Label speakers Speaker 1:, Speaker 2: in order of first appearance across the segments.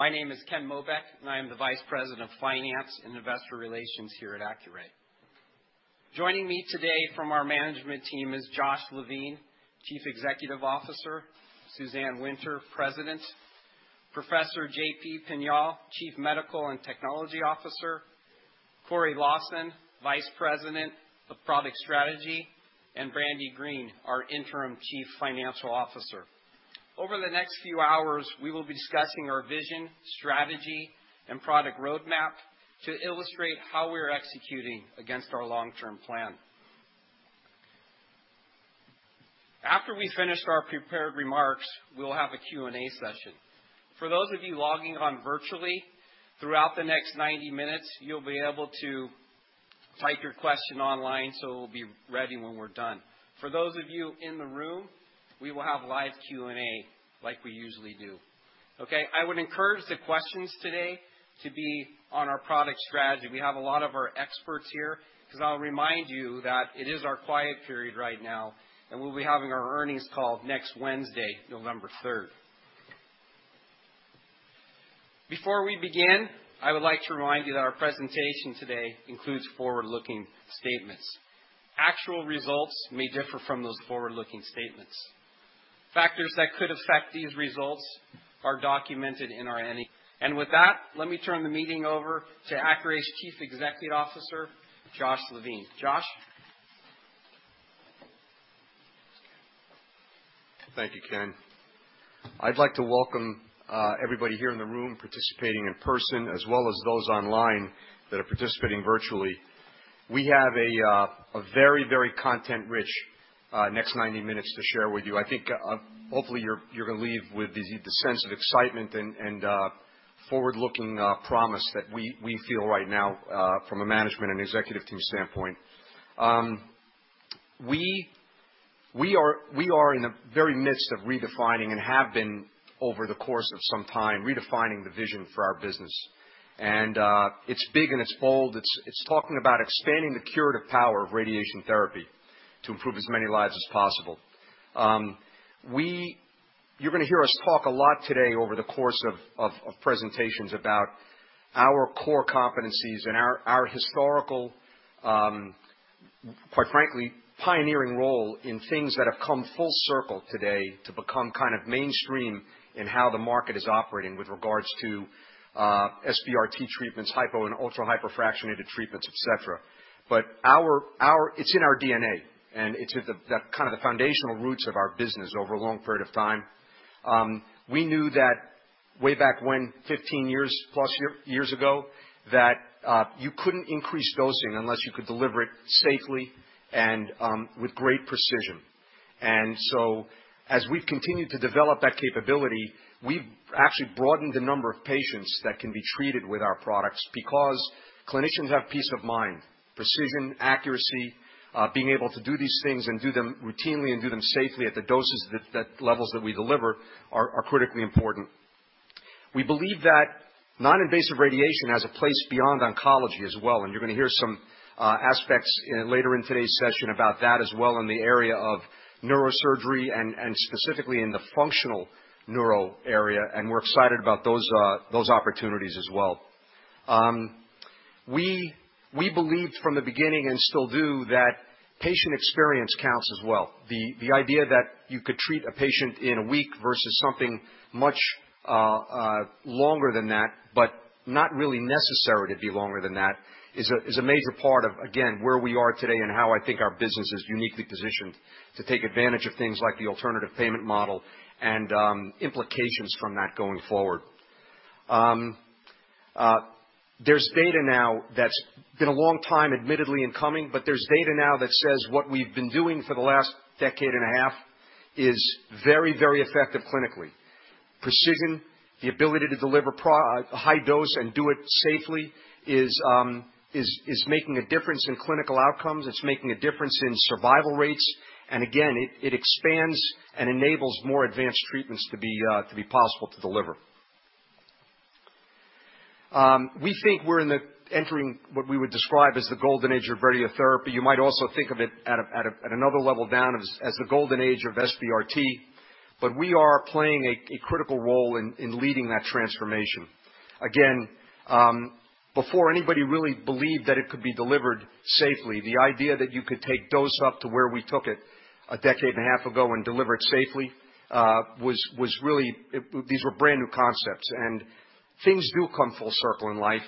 Speaker 1: My name is Ken Mobeck, I am the Vice President of Finance and Investor Relations here at Accuray. Joining me today from our management team is Josh Levine, Chief Executive Officer, Suzanne Winter, President, Professor Jean-Philippe Pignol, Chief Medical and Technology Officer, Corey Lawson, Vice President of Product Strategy, and Brandy Green, our interim Chief Financial Officer. Over the next few hours, we will be discussing our vision, strategy, and product roadmap to illustrate how we're executing against our long-term plan. After we finish our prepared remarks, we'll have a Q&A session. For those of you logging on virtually, throughout the next 90 minutes, you'll be able to type your question online so it will be ready when we're done. For those of you in the room, we will have live Q&A like we usually do. Okay. I would encourage the questions today to be on our product strategy. We have a lot of our experts here. I'll remind you that it is our quiet period right now, and we'll be having our earnings call next Wednesday, November 3rd. Before we begin, I would like to remind you that our presentation today includes forward-looking statements. Actual results may differ from those forward-looking statements. Factors that could affect these results are documented in our annual. With that, let me turn the meeting over to Accuray's Chief Executive Officer, Josh Levine. Josh.
Speaker 2: Thank you, Ken. I'd like to welcome everybody here in the room participating in person, as well as those online that are participating virtually. We have a very content-rich next 90 minutes to share with you. I think, hopefully, you're going to leave with the sense of excitement and forward-looking promise that we feel right now from a management and executive team standpoint. We are in the very midst of redefining, and have been over the course of some time, redefining the vision for our business. It's big and it's bold. It's talking about expanding the curative power of radiation therapy to improve as many lives as possible. You're going to hear us talk a lot today over the course of presentations about our core competencies and our historical, quite frankly, pioneering role in things that have come full circle today to become kind of mainstream in how the market is operating with regards to SBRT treatments, hypo and ultra-hypofractionated treatments, et cetera. It's in our DNA, and it's at the kind of foundational roots of our business over a long period of time. We knew that way back when, 15 years plus years ago, that you couldn't increase dosing unless you could deliver it safely and with great precision. As we've continued to develop that capability, we've actually broadened the number of patients that can be treated with our products because clinicians have peace of mind, precision, accuracy, being able to do these things and do them routinely and do them safely at the doses, the levels that we deliver are critically important. We believe that non-invasive radiation has a place beyond oncology as well. You're going to hear some aspects later in today's session about that as well in the area of neurosurgery and specifically in the functional neuro area. We're excited about those opportunities as well. We believed from the beginning and still do, that patient experience counts as well. The idea that you could treat a patient in one week versus something much longer than that, but not really necessary to be longer than that, is a major part of, again, where we are today and how I think our business is uniquely positioned to take advantage of things like the alternative payment model and implications from that going forward. There's data now that's been a long time admittedly in coming, but there's data now that says what we've been doing for the last decade and a half is very effective clinically. Precision, the ability to deliver high dose and do it safely is making a difference in clinical outcomes. It's making a difference in survival rates. It expands and enables more advanced treatments to be possible to deliver. We think we're entering what we would describe as the golden age of radiotherapy. You might also think of it at another level down as the golden age of SBRT. We are playing a critical role in leading that transformation. Again, before anybody really believed that it could be delivered safely, the idea that you could take dose up to where we took it a decade and a half ago and deliver it safely, these were brand-new concepts. Things do come full circle in life.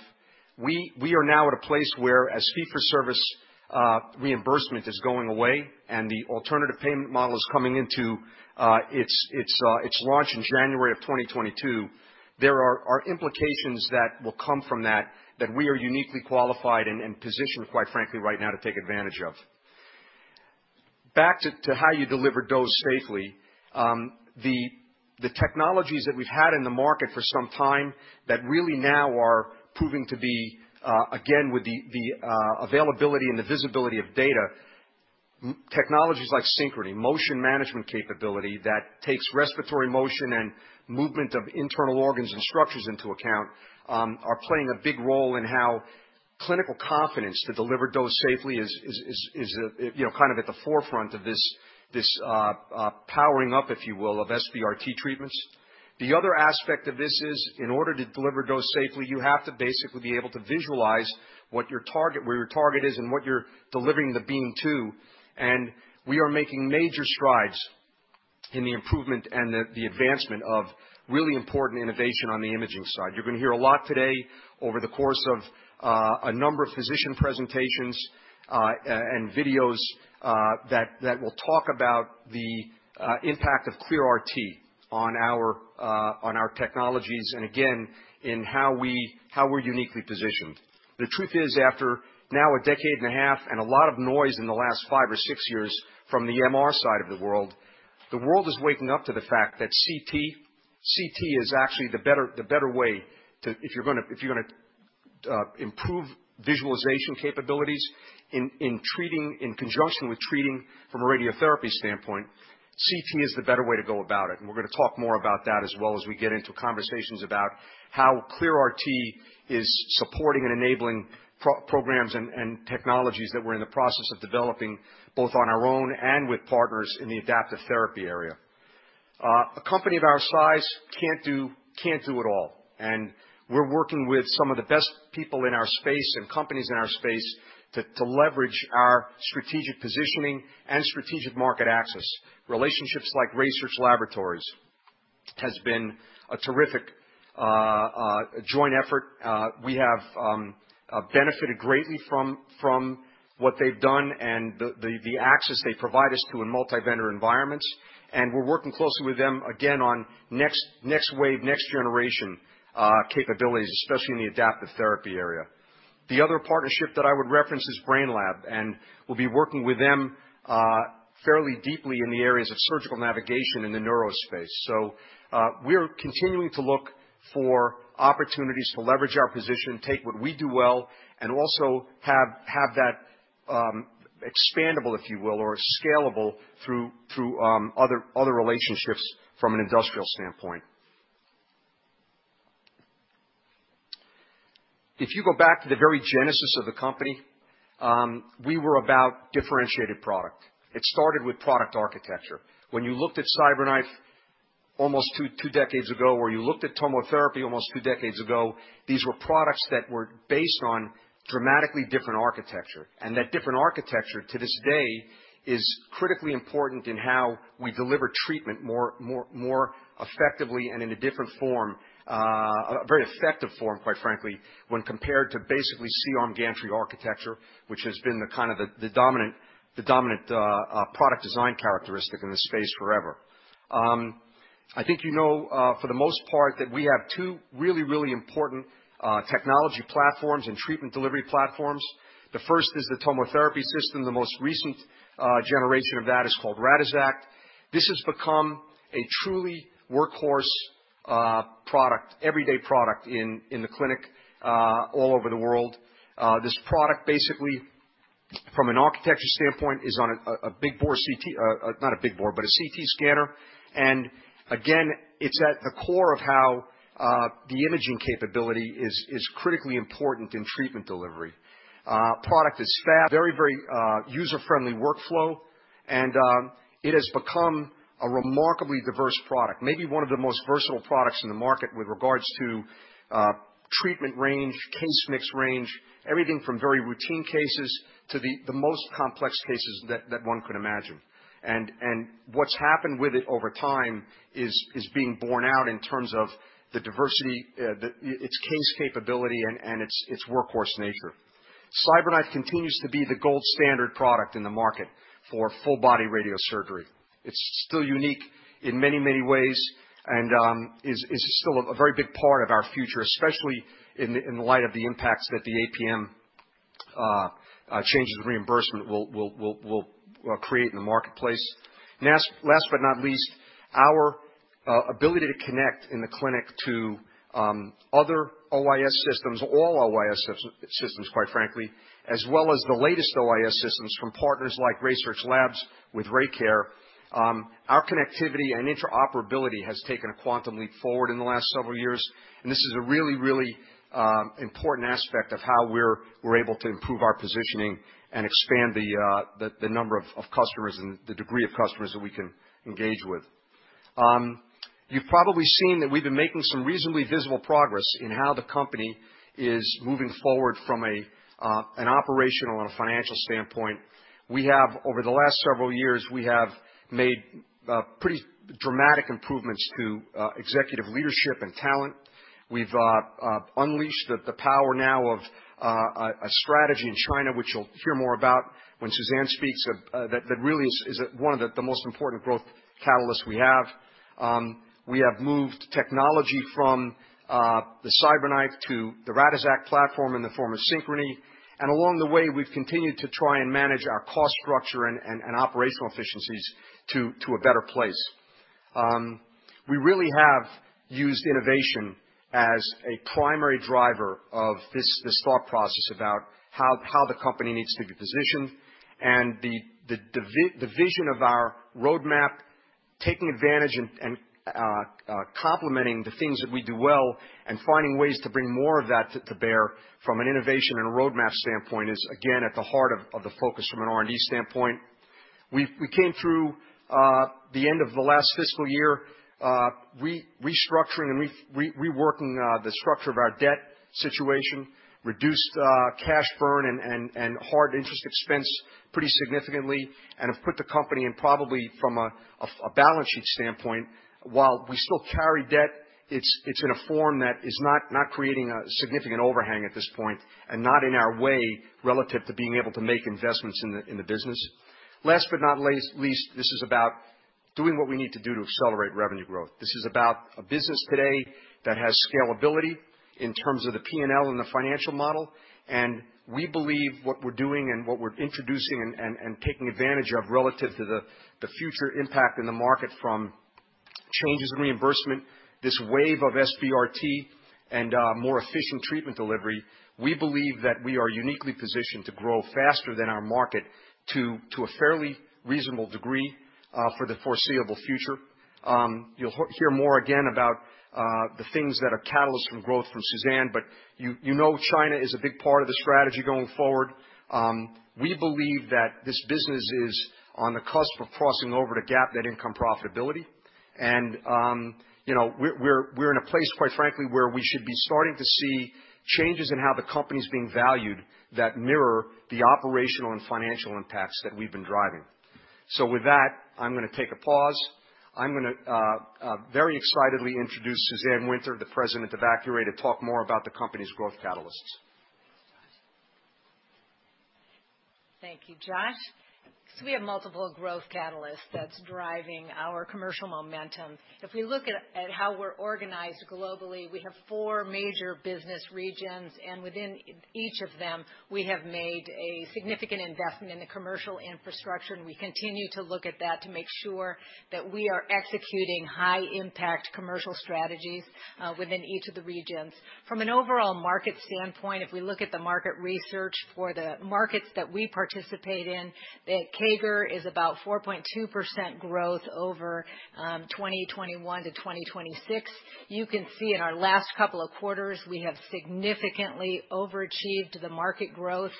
Speaker 2: We are now at a place where as fee-for-service reimbursement is going away and the alternative payment model is coming into its launch in January of 2022. There are implications that will come from that we are uniquely qualified and positioned, quite frankly, right now to take advantage of. Back to how you deliver dose safely. The technologies that we've had in the market for some time that really now are proving to be, again, with the availability and the visibility of data, technologies like Synchrony, motion management capability that takes respiratory motion and movement of internal organs and structures into account are playing a big role in how clinical confidence to deliver dose safely is at the forefront of this powering up, if you will, of SBRT treatments. The other aspect of this is, in order to deliver dose safely, you have to basically be able to visualize where your target is and what you're delivering the beam to, and we are making major strides in the improvement and the advancement of really important innovation on the imaging side. You're going to hear a lot today over the course of a number of physician presentations and videos that will talk about the impact of ClearRT on our technologies, and again, in how we're uniquely positioned. The truth is, after now a decade and a half and a lot of noise in the last five or six years from the MR side of the world, the world is waking up to the fact that CT is actually the better way. If you're going to improve visualization capabilities in conjunction with treating from a radiotherapy standpoint, CT is the better way to go about it, and we're going to talk more about that as well as we get into conversations about how ClearRT is supporting and enabling programs and technologies that we're in the process of developing, both on our own and with partners in the adaptive therapy area. A company of our size can't do it all, and we're working with some of the best people in our space and companies in our space to leverage our strategic positioning and strategic market access. Relationships like RaySearch Laboratories has been a terrific joint effort. We have benefited greatly from what they've done and the access they provide us to in multi-vendor environments, and we're working closely with them again on next wave, next generation capabilities, especially in the adaptive therapy area. The other partnership that I would reference is Brainlab, and we'll be working with them fairly deeply in the areas of surgical navigation in the neuro space. We're continuing to look for opportunities to leverage our position, take what we do well, and also have that expandable, if you will, or scalable through other relationships from an industrial standpoint. If you go back to the very genesis of the company, we were about differentiated product. It started with product architecture. When you looked at CyberKnife almost two decades ago, or you looked at TomoTherapy almost two decades ago, these were products that were based on dramatically different architecture. That different architecture, to this day, is critically important in how we deliver treatment more effectively and in a different form, a very effective form, quite frankly, when compared to basically C-arm gantry architecture, which has been the dominant product design characteristic in this space forever. I think you know, for the most part, that we have two really important technology platforms and treatment delivery platforms. The first is the TomoTherapy system. The most recent generation of that is called Radixact. This has become a truly workhorse product, everyday product in the clinic all over the world. This product basically, from an architecture standpoint, is on a CT scanner. Again, it's at the core of how the imaging capability is critically important in treatment delivery. Product is fast, very user-friendly workflow, and it has become a remarkably diverse product, maybe one of the most versatile products in the market with regards to treatment range, case mix range, everything from very routine cases to the most complex cases that one could imagine. What's happened with it over time is being borne out in terms of the diversity, its case capability, and its workhorse nature. CyberKnife continues to be the gold standard product in the market for full body radiosurgery. It's still unique in many ways and is still a very big part of our future, especially in light of the impacts that the APM changes in reimbursement will create in the marketplace. Last but not least, our ability to connect in the clinic to other OIS systems, all OIS systems, quite frankly, as well as the latest OIS systems from partners like RaySearch Labs with RayCare. This is a really important aspect of how we're able to improve our positioning and expand the number of customers and the degree of customers that we can engage with. You've probably seen that we've been making some reasonably visible progress in how the company is moving forward from an operational and a financial standpoint. Over the last several years, we have made pretty dramatic improvements to executive leadership and talent. We've unleashed the power now of a strategy in China, which you'll hear more about when Suzanne Winter speaks, that really is one of the most important growth catalysts we have. We have moved technology from the CyberKnife to the Radixact platform in the form of Synchrony. Along the way, we've continued to try and manage our cost structure and operational efficiencies to a better place. We really have used innovation as a primary driver of this thought process about how the company needs to be positioned, and the vision of our roadmap. Taking advantage and complementing the things that we do well and finding ways to bring more of that to bear from an innovation and a roadmap standpoint is, again, at the heart of the focus from an R&D standpoint. We came through the end of the last fiscal year restructuring and reworking the structure of our debt situation, reduced cash burn and hard interest expense pretty significantly, and have put the company in probably from a balance sheet standpoint, while we still carry debt, it's in a form that is not creating a significant overhang at this point and not in our way relative to being able to make investments in the business. Last but not least, this is about doing what we need to do to accelerate revenue growth. This is about a business today that has scalability in terms of the P&L and the financial model, and we believe what we're doing and what we're introducing and taking advantage of relative to the future impact in the market from changes in reimbursement, this wave of SBRT, and more efficient treatment delivery. We believe that we are uniquely positioned to grow faster than our market to a fairly reasonable degree for the foreseeable future. You'll hear more again about the things that are catalysts from growth from Suzanne, but you know China is a big part of the strategy going forward. We believe that this business is on the cusp of crossing over to GAAP net income profitability. We're in a place, quite frankly, where we should be starting to see changes in how the company's being valued that mirror the operational and financial impacts that we've been driving. With that, I'm going to take a pause. I'm going to very excitedly introduce Suzanne Winter, the President of Accuray, to talk more about the company's growth catalysts.
Speaker 3: Thank you, Josh. We have multiple growth catalysts that's driving our commercial momentum. If we look at how we're organized globally, we have four major business regions. Within each of them, we have made a significant investment in the commercial infrastructure. We continue to look at that to make sure that we are executing high-impact commercial strategies within each of the regions. From an overall market standpoint, if we look at the market research for the markets that we participate in, the CAGR is about 4.2% growth over 2021 to 2026. You can see in our last couple of quarters, we have significantly overachieved the market growth.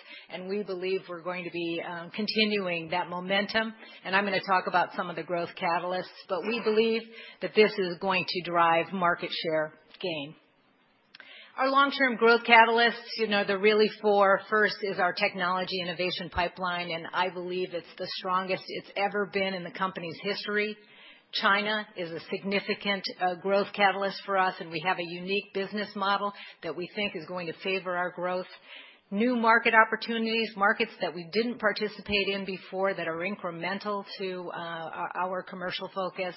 Speaker 3: We believe we're going to be continuing that momentum. I'm going to talk about some of the growth catalysts. We believe that this is going to drive market share gain. Our long-term growth catalysts, there are really four. First is our technology innovation pipeline. I believe it's the strongest it's ever been in the company's history. China is a significant growth catalyst for us. We have a unique business model that we think is going to favor our growth. New market opportunities, markets that we didn't participate in before that are incremental to our commercial focus.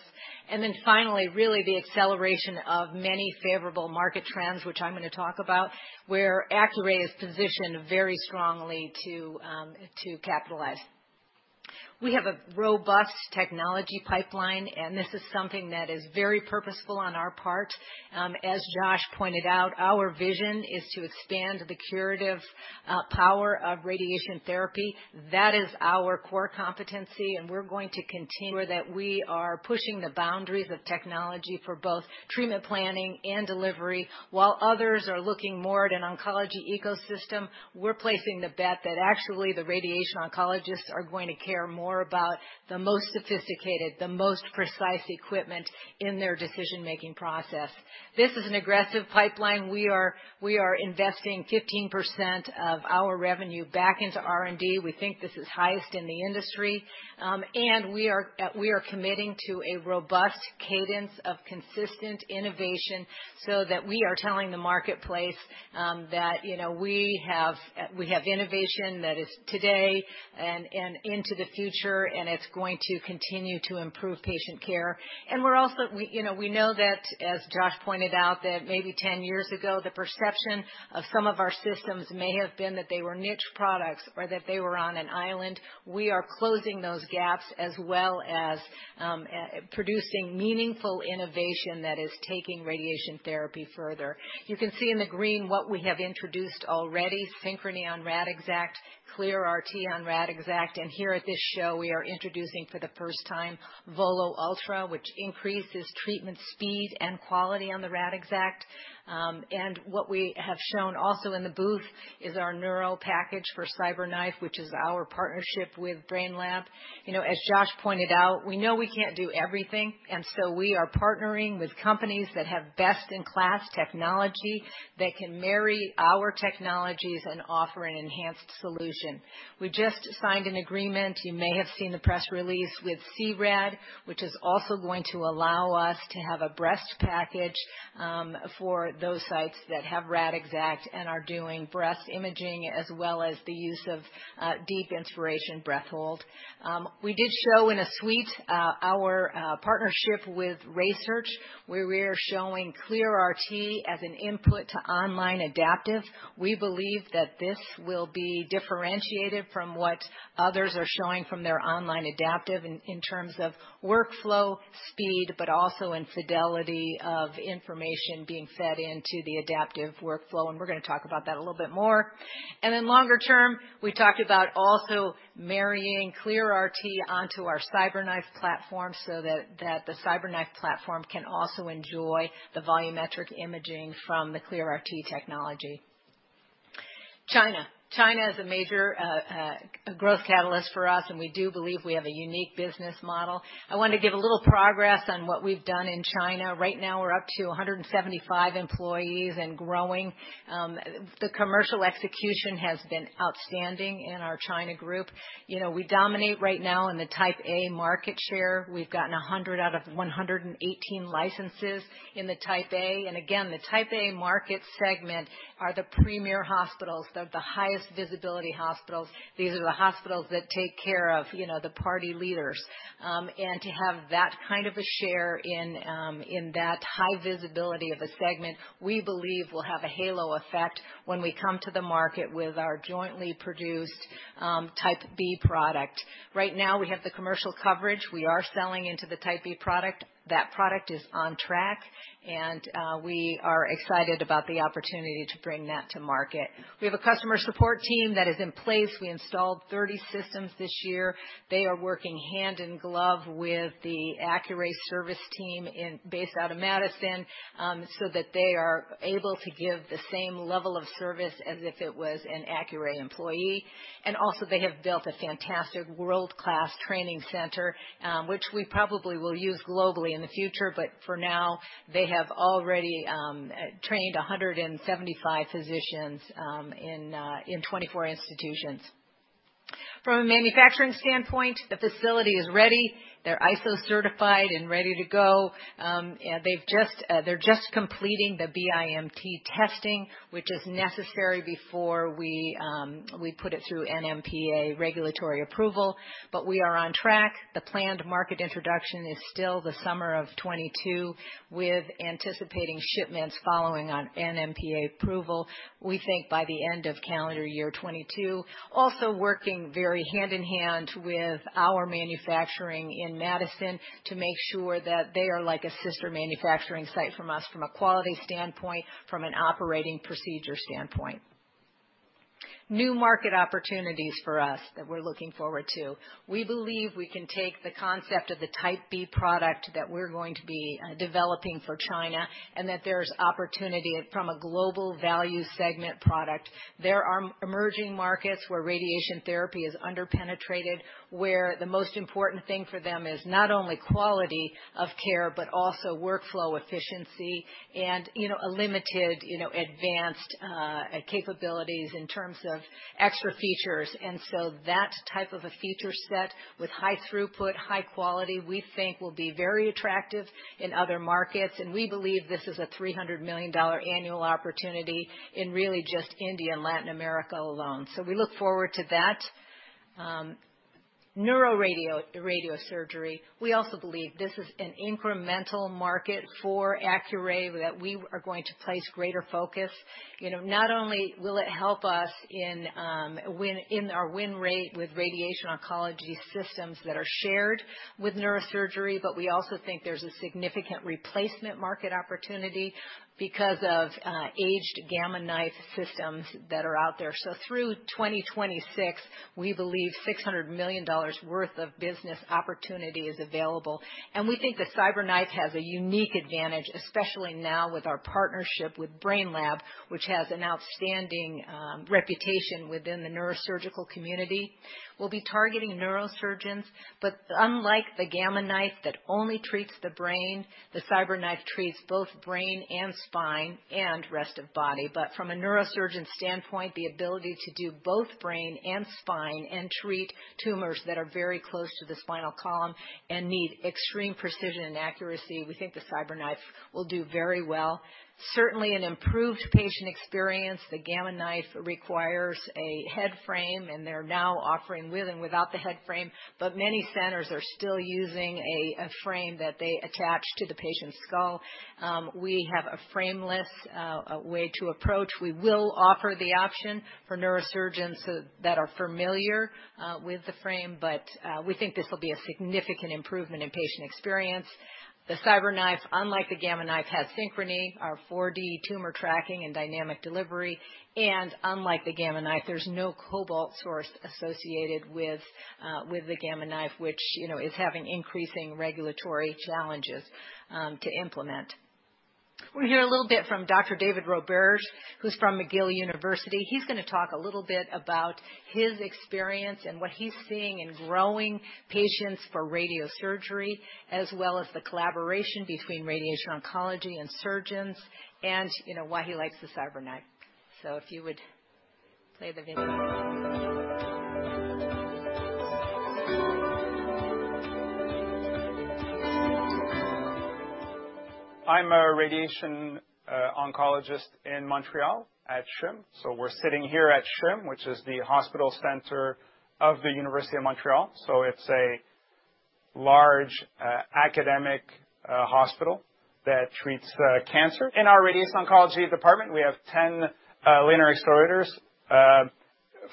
Speaker 3: Finally, really the acceleration of many favorable market trends, which I'm going to talk about, where Accuray is positioned very strongly to capitalize. We have a robust technology pipeline. This is something that is very purposeful on our part. As Josh pointed out, our vision is to expand the curative power of radiation therapy. That is our core competency. We're going to continue that. We are pushing the boundaries of technology for both treatment planning and delivery. While others are looking more at an oncology ecosystem, we're placing the bet that actually the radiation oncologists are going to care more about the most sophisticated, the most precise equipment in their decision-making process. This is an aggressive pipeline. We are investing 15% of our revenue back into R&D. We think this is highest in the industry. We are committing to a robust cadence of consistent innovation so that we are telling the marketplace that we have innovation that is today and into the future, and it's going to continue to improve patient care. We know that, as Josh pointed out, that maybe 10 years ago, the perception of some of our systems may have been that they were niche products or that they were on an island. We are closing those gaps as well as producing meaningful innovation that is taking radiation therapy further. You can see in the green what we have introduced already, Synchrony on Radixact, ClearRT on Radixact. Here at this show, we are introducing for the first time VOLO Ultra, which increases treatment speed and quality on the Radixact. What we have shown also in the booth is our neuro package for CyberKnife, which is our partnership with Brainlab. As Josh pointed out, we know we can't do everything. So we are partnering with companies that have best-in-class technology that can marry our technologies and offer an enhanced solution. We just signed an agreement, you may have seen the press release with C-RAD, which is also going to allow us to have a breast package for those sites that have Radixact and are doing breast imaging, as well as the use of deep inspiration breath hold. We did show in a suite our partnership with RaySearch. We're showing ClearRT as an input to online adaptive. We believe that this will be differentiated from what others are showing from their online adaptive in terms of workflow speed, but also in fidelity of information being fed into the adaptive workflow. We're going to talk about that a little bit more. Longer term, we talked about also marrying ClearRT onto our CyberKnife platform so that the CyberKnife platform can also enjoy the volumetric imaging from the ClearRT technology. China. China is a major growth catalyst for us. We do believe we have a unique business model. I wanted to give a little progress on what we've done in China. Right now, we're up to 175 employees and growing. The commercial execution has been outstanding in our China group. We dominate right now in the Type A market share. We've gotten 100 out of 118 licenses in the Type A. Again, the Type A market segment are the premier hospitals. They're the highest visibility hospitals. These are the hospitals that take care of the party leaders. To have that kind of a share in that high visibility of a segment, we believe will have a halo effect when we come to the market with our jointly produced Type B product. Right now, we have the commercial coverage. We are selling into the Type B product. That product is on track, and we are excited about the opportunity to bring that to market. We have a customer support team that is in place. We installed 30 systems this year. They are working hand in glove with the Accuray service team based out of Madison, so that they are able to give the same level of service as if it was an Accuray employee. They have also built a fantastic world-class training center, which we probably will use globally in the future, but for now, they have already trained 175 physicians in 24 institutions. From a manufacturing standpoint, the facility is ready. They are ISO certified and ready to go. They are just completing the BIMT testing, which is necessary before we put it through NMPA regulatory approval. We are on track. The planned market introduction is still the summer of 2022, with anticipating shipments following on NMPA approval, we think by the end of calendar year 2022. Working very hand-in-hand with our manufacturing in Madison to make sure that they are like a sister manufacturing site from us from a quality standpoint, from an operating procedure standpoint. New market opportunities for us that we're looking forward to. We believe we can take the concept of the Type B product that we're going to be developing for China, and that there's opportunity from a global value segment product. There are emerging markets where radiation therapy is under-penetrated, where the most important thing for them is not only quality of care, but also workflow efficiency and a limited advanced capabilities in terms of extra features. That type of a feature set with high throughput, high quality, we think will be very attractive in other markets. We believe this is a $300 million annual opportunity in really just India and Latin America alone. We look forward to that. Neuro radiosurgery. We also believe this is an incremental market for Accuray that we are going to place greater focus. Not only will it help us in our win rate with radiation oncology systems that are shared with neurosurgery, but we also think there's a significant replacement market opportunity because of aged Gamma Knife systems that are out there. Through 2026, we believe $600 million worth of business opportunity is available. We think the CyberKnife has a unique advantage, especially now with our partnership with Brainlab, which has an outstanding reputation within the neurosurgical community. We'll be targeting neurosurgeons, but unlike the Gamma Knife that only treats the brain, the CyberKnife treats both brain and spine and rest of body. From a neurosurgeon standpoint, the ability to do both brain and spine and treat tumors that are very close to the spinal column and need extreme precision and accuracy, we think the CyberKnife will do very well. Certainly an improved patient experience. The Gamma Knife requires a head frame, and they're now offering with and without the head frame, but many centers are still using a frame that they attach to the patient's skull. We have a frameless way to approach. We will offer the option for neurosurgeons that are familiar with the frame, but we think this will be a significant improvement in patient experience. The CyberKnife, unlike the Gamma Knife, has Synchrony, our 4D tumor tracking and dynamic delivery. Unlike the Gamma Knife, there's no cobalt source associated with the Gamma Knife, which is having increasing regulatory challenges to implement. We'll hear a little bit from Dr. David Roberge, who's from McGill University. He's going to talk a little bit about his experience and what he's seeing in growing patients for radiosurgery, as well as the collaboration between radiation oncology and surgeons, and why he likes the CyberKnife. If you would play the video.
Speaker 4: I'm a Radiation Oncologist in Montreal at CHUM. We're sitting here at CHUM, which is the hospital center of the Université de Montréal. It's a large academic hospital that treats cancer. In our radiation oncology department, we have 10 linear accelerators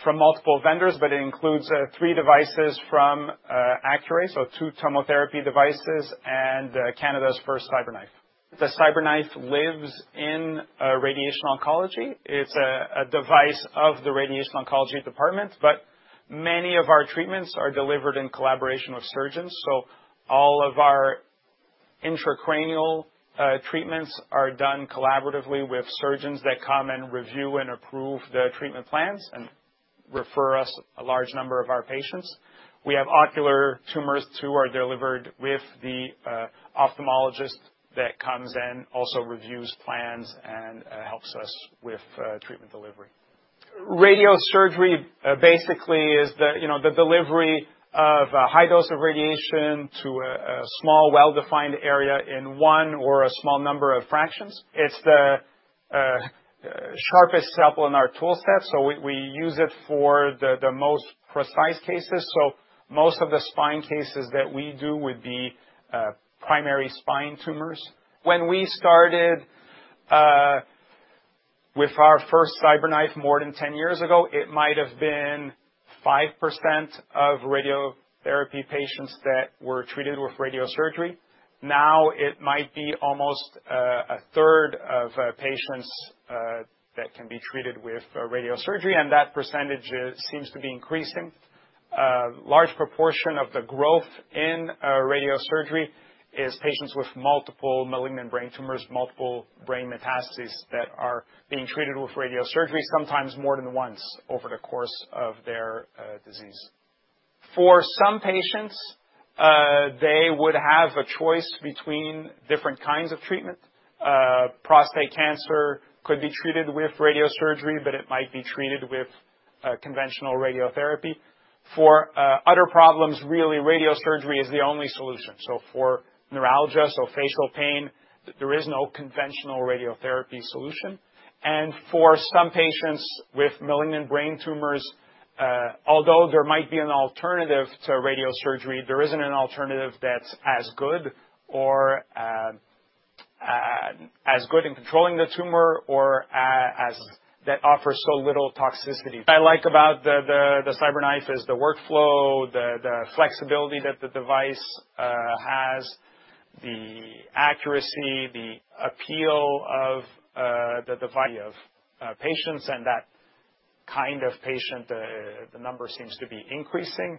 Speaker 4: from multiple vendors, but it includes three devices from Accuray, so two TomoTherapy devices and Canada's first CyberKnife. The CyberKnife lives in radiation oncology. It's a device of the radiation oncology department, but many of our treatments are delivered in collaboration with surgeons. All of our intracranial treatments are done collaboratively with surgeons that come and review and approve the treatment plans and refer us a large number of our patients. We have ocular tumors too, are delivered with the ophthalmologist that comes in, also reviews plans, and helps us with treatment delivery. Radiosurgery basically is the delivery of a high dose of radiation to a small, well-defined area in one or a small number of fractions. It's the sharpest sample in our tool set, so we use it for the most precise cases. Most of the spine cases that we do would be primary spine tumors. When we started with our first CyberKnife more than 10 years ago, it might have been 5% of radiotherapy patients that were treated with radiosurgery. Now it might be almost 1/3 of patients that can be treated with radiosurgery, and that percentage seems to be increasing. A large proportion of the growth in radiosurgery is patients with multiple malignant brain tumors, multiple brain metastases that are being treated with radiosurgery, sometimes more than once over the course of their disease. For some patients, they would have a choice between different kinds of treatment. Prostate cancer could be treated with radiosurgery, but it might be treated with conventional radiotherapy. For other problems, really, radiosurgery is the only solution. For neuralgia, so facial pain, there is no conventional radiotherapy solution. For some patients with malignant brain tumors, although there might be an alternative to radiosurgery, there isn't an alternative that's as good or as good in controlling the tumor, or that offers so little toxicity. What I like about the CyberKnife is the workflow, the flexibility that the device has, the accuracy, the appeal of the variety of patients, and that kind of patient, the number seems to be increasing.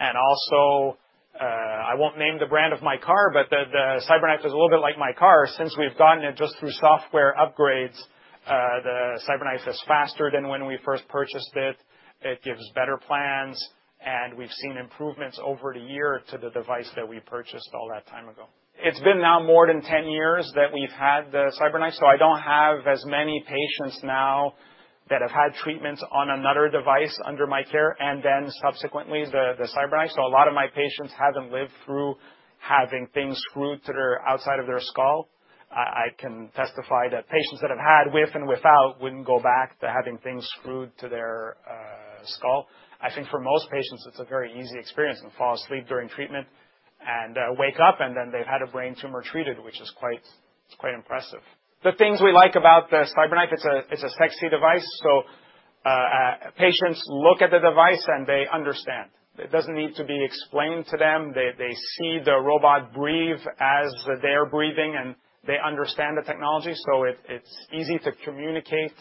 Speaker 4: Also, I won't name the brand of my car, but the CyberKnife is a little bit like my car. Since we've gotten it, just through software upgrades, the CyberKnife is faster than when we first purchased it. It gives better plans. We've seen improvements over the year to the device that we purchased all that time ago. It's been now more than 10 years that we've had the CyberKnife, so I don't have as many patients now that have had treatments on another device under my care, and then subsequently the CyberKnife. A lot of my patients haven't lived through having things screwed to their outside of their skull. I can testify that patients that have had with and without wouldn't go back to having things screwed to their skull. I think for most patients, it's a very easy experience, and fall asleep during treatment and wake up, and then they've had a brain tumor treated, which is quite impressive. The things we like about the CyberKnife, it's a sexy device, so patients look at the device, and they understand. It doesn't need to be explained to them. They see the robot breathe as they're breathing, and they understand the technology. It's easy to communicate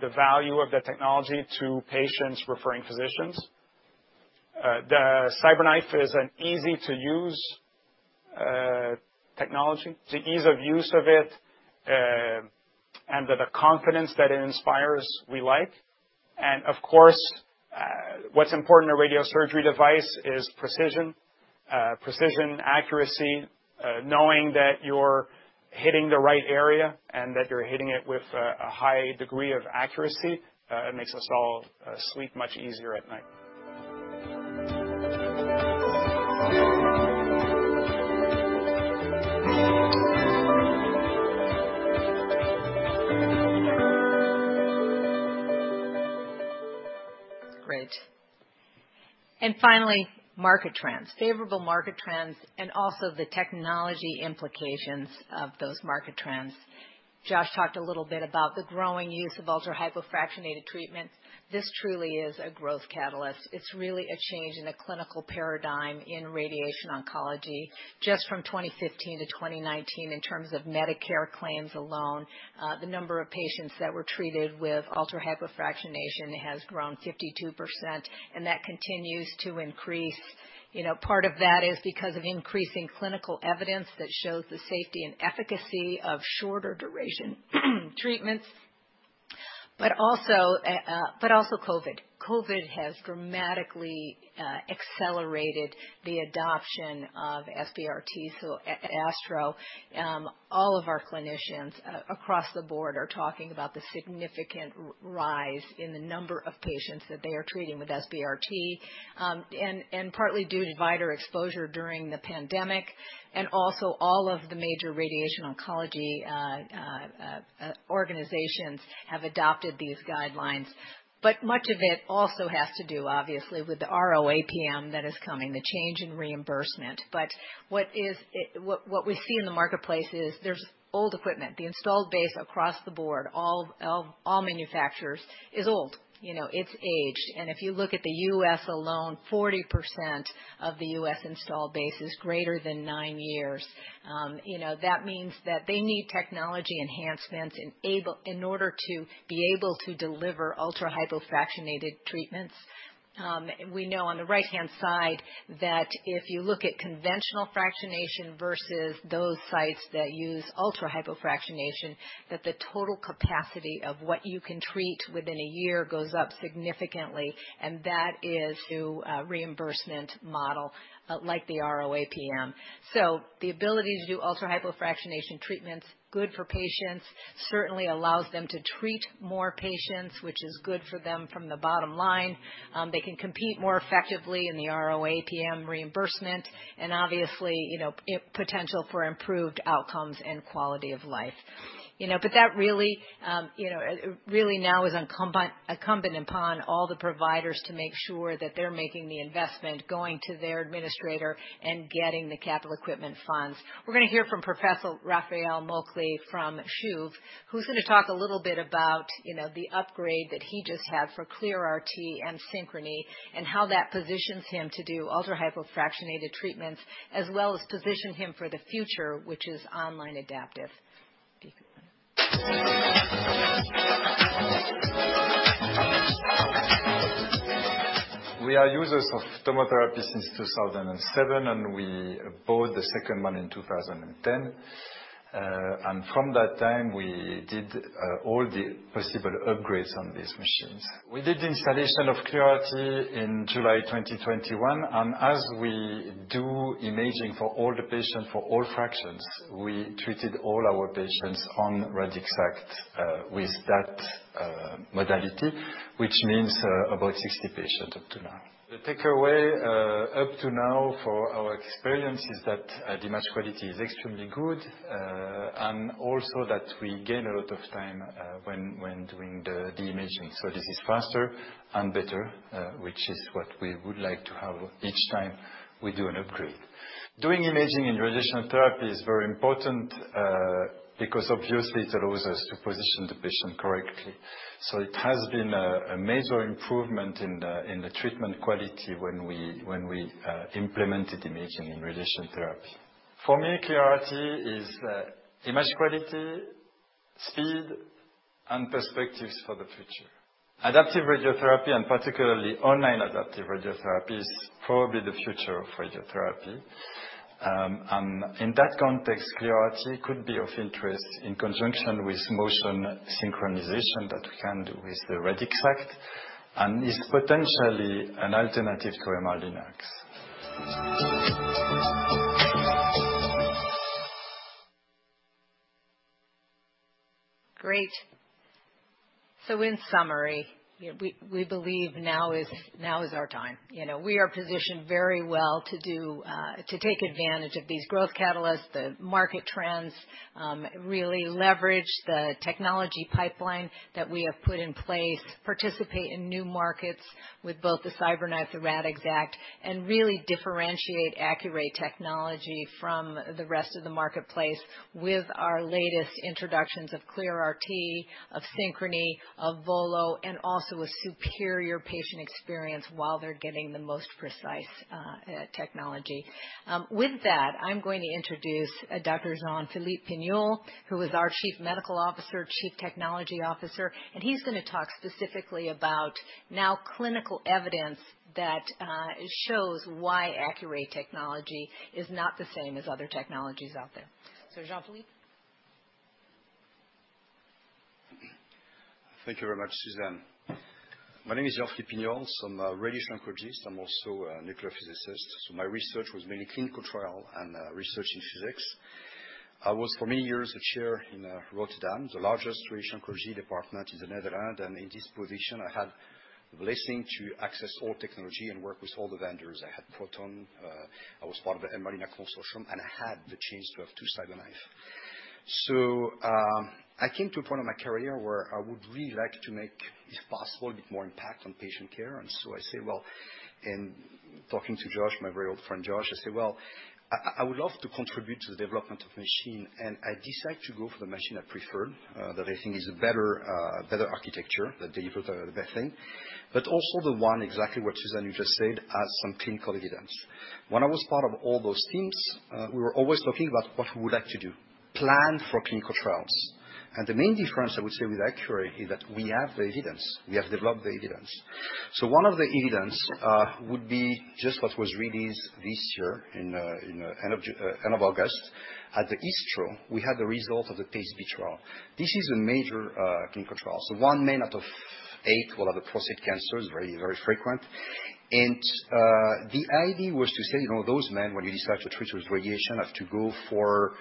Speaker 4: the value of the technology to patients referring physicians. The CyberKnife is an easy-to-use technology. The ease of use of it, and the confidence that it inspires, we like. Of course, what's important, a radiosurgery device is precision. Precision, accuracy, knowing that you're hitting the right area and that you're hitting it with a high degree of accuracy. It makes us all sleep much easier at night.
Speaker 3: Great. Finally, market trends. Favorable market trends, also the technology implications of those market trends. Josh talked a little bit about the growing use of ultra-hypofractionated treatments. This truly is a growth catalyst. It's really a change in the clinical paradigm in radiation oncology. Just from 2015 to 2019, in terms of Medicare claims alone, the number of patients that were treated with ultra-hypofractionation has grown 52%, and that continues to increase. Part of that is because of increasing clinical evidence that shows the safety and efficacy of shorter duration treatments, but also COVID. COVID has dramatically accelerated the adoption of SBRT. At ASTRO, all of our clinicians across the board are talking about the significant rise in the number of patients that they are treating with SBRT, and partly due to provider exposure during the pandemic. Also, all of the major radiation oncology organizations have adopted these guidelines. Much of it also has to do, obviously, with the RO-APM that is coming, the change in reimbursement. What we see in the marketplace is there's old equipment. The installed base across the board, all manufacturers, is old. It's aged. If you look at the U.S. alone, 40% of the U.S. installed base is greater than nine years. That means that they need technology enhancements in order to be able to deliver ultra-hypofractionated treatments. We know on the right-hand side that if you look at conventional fractionation versus those sites that use ultra-hypofractionation, that the total capacity of what you can treat within a year goes up significantly, and that is through a reimbursement model like the RO-APM. The ability to do ultra-hypofractionation treatment's good for patients, certainly allows them to treat more patients, which is good for them from the bottom line. They can compete more effectively in the RO-APM reimbursement and obviously, potential for improved outcomes and quality of life. That really now is incumbent upon all the providers to make sure that they're making the investment, going to their administrator and getting the capital equipment funds. We're going to hear from Professor Raphaël Moeckli from CHUV, who's going to talk a little bit about the upgrade that he just had for ClearRT and Synchrony and how that positions him to do ultra-hypofractionated treatments as well as position him for the future, which is online adaptive. If you could, please.
Speaker 5: We are users of TomoTherapy since 2007, and we bought the second one in 2010. From that time, we did all the possible upgrades on these machines. We did the installation of ClearRT in July 2021, and as we do imaging for all the patients for all fractions, we treated all our patients on Radixact with that modality, which means about 60 patients up to now. The takeaway up to now for our experience is that image quality is extremely good and also that we gain a lot of time when doing the the imaging. This is faster and better, which is what we would like to have each time we do an upgrade. Doing imaging in radiation therapy is very important because obviously it allows us to position the patient correctly. It has been a major improvement in the treatment quality when we implemented imaging in radiation therapy. For me, ClearRT is image quality, speed, and perspectives for the future. Adaptive radiotherapy, and particularly online adaptive radiotherapy, is probably the future of radiotherapy. In that context, ClearRT could be of interest in conjunction with motion synchronization that we can do with the Radixact and is potentially an alternative to MR-linac.
Speaker 3: Great. In summary, we believe now is our time. We are positioned very well to take advantage of these growth catalysts, the market trends, really leverage the technology pipeline that we have put in place, participate in new markets with both the CyberKnife, the Radixact, and really differentiate Accuray technology from the rest of the marketplace with our latest introductions of ClearRT, of Synchrony, of VOLO, and also a superior patient experience while they're getting the most precise technology. With that, I'm going to introduce Dr. Jean-Philippe Pignol, who is our Chief Medical Officer, Chief Technology Officer. He's going to talk specifically about now clinical evidence that shows why Accuray technology is not the same as other technologies out there. Jean-Philippe.
Speaker 6: Thank you very much, Suzanne. My name is Jean-Philippe Pignol. I'm a radiation oncologist. I'm also a nuclear physicist. My research was mainly clinical trial and research in physics. I was for many years a chair in Rotterdam, the largest radiation oncology department in the Netherlands. In this position, I had the blessing to access all technology and work with all the vendors. I had proton, I was part of the MR-linac consortium, and I had the chance to have two CyberKnife. I came to a point in my career where I would really like to make, if possible, a bit more impact on patient care. Talking to Josh, my very old friend Josh, I said, well, I would love to contribute to the development of machine. I decide to go for the machine I preferred, that I think is a better architecture, that they built the best thing. Also the one, exactly what, Suzanne, you just said, has some clinical evidence. When I was part of all those teams, we were always talking about what we would like to do, plan for clinical trials. The main difference I would say with Accuray is that we have the evidence. We have developed the evidence. One of the evidence would be just what was released this year in end of August. At the ESTRO, we had the result of the PACE-B trial. This is a major clinical trial. One man out of eight will have a prostate cancer, is very, very frequent. The idea was to say, those men, when you decide to treat with radiation, have to go for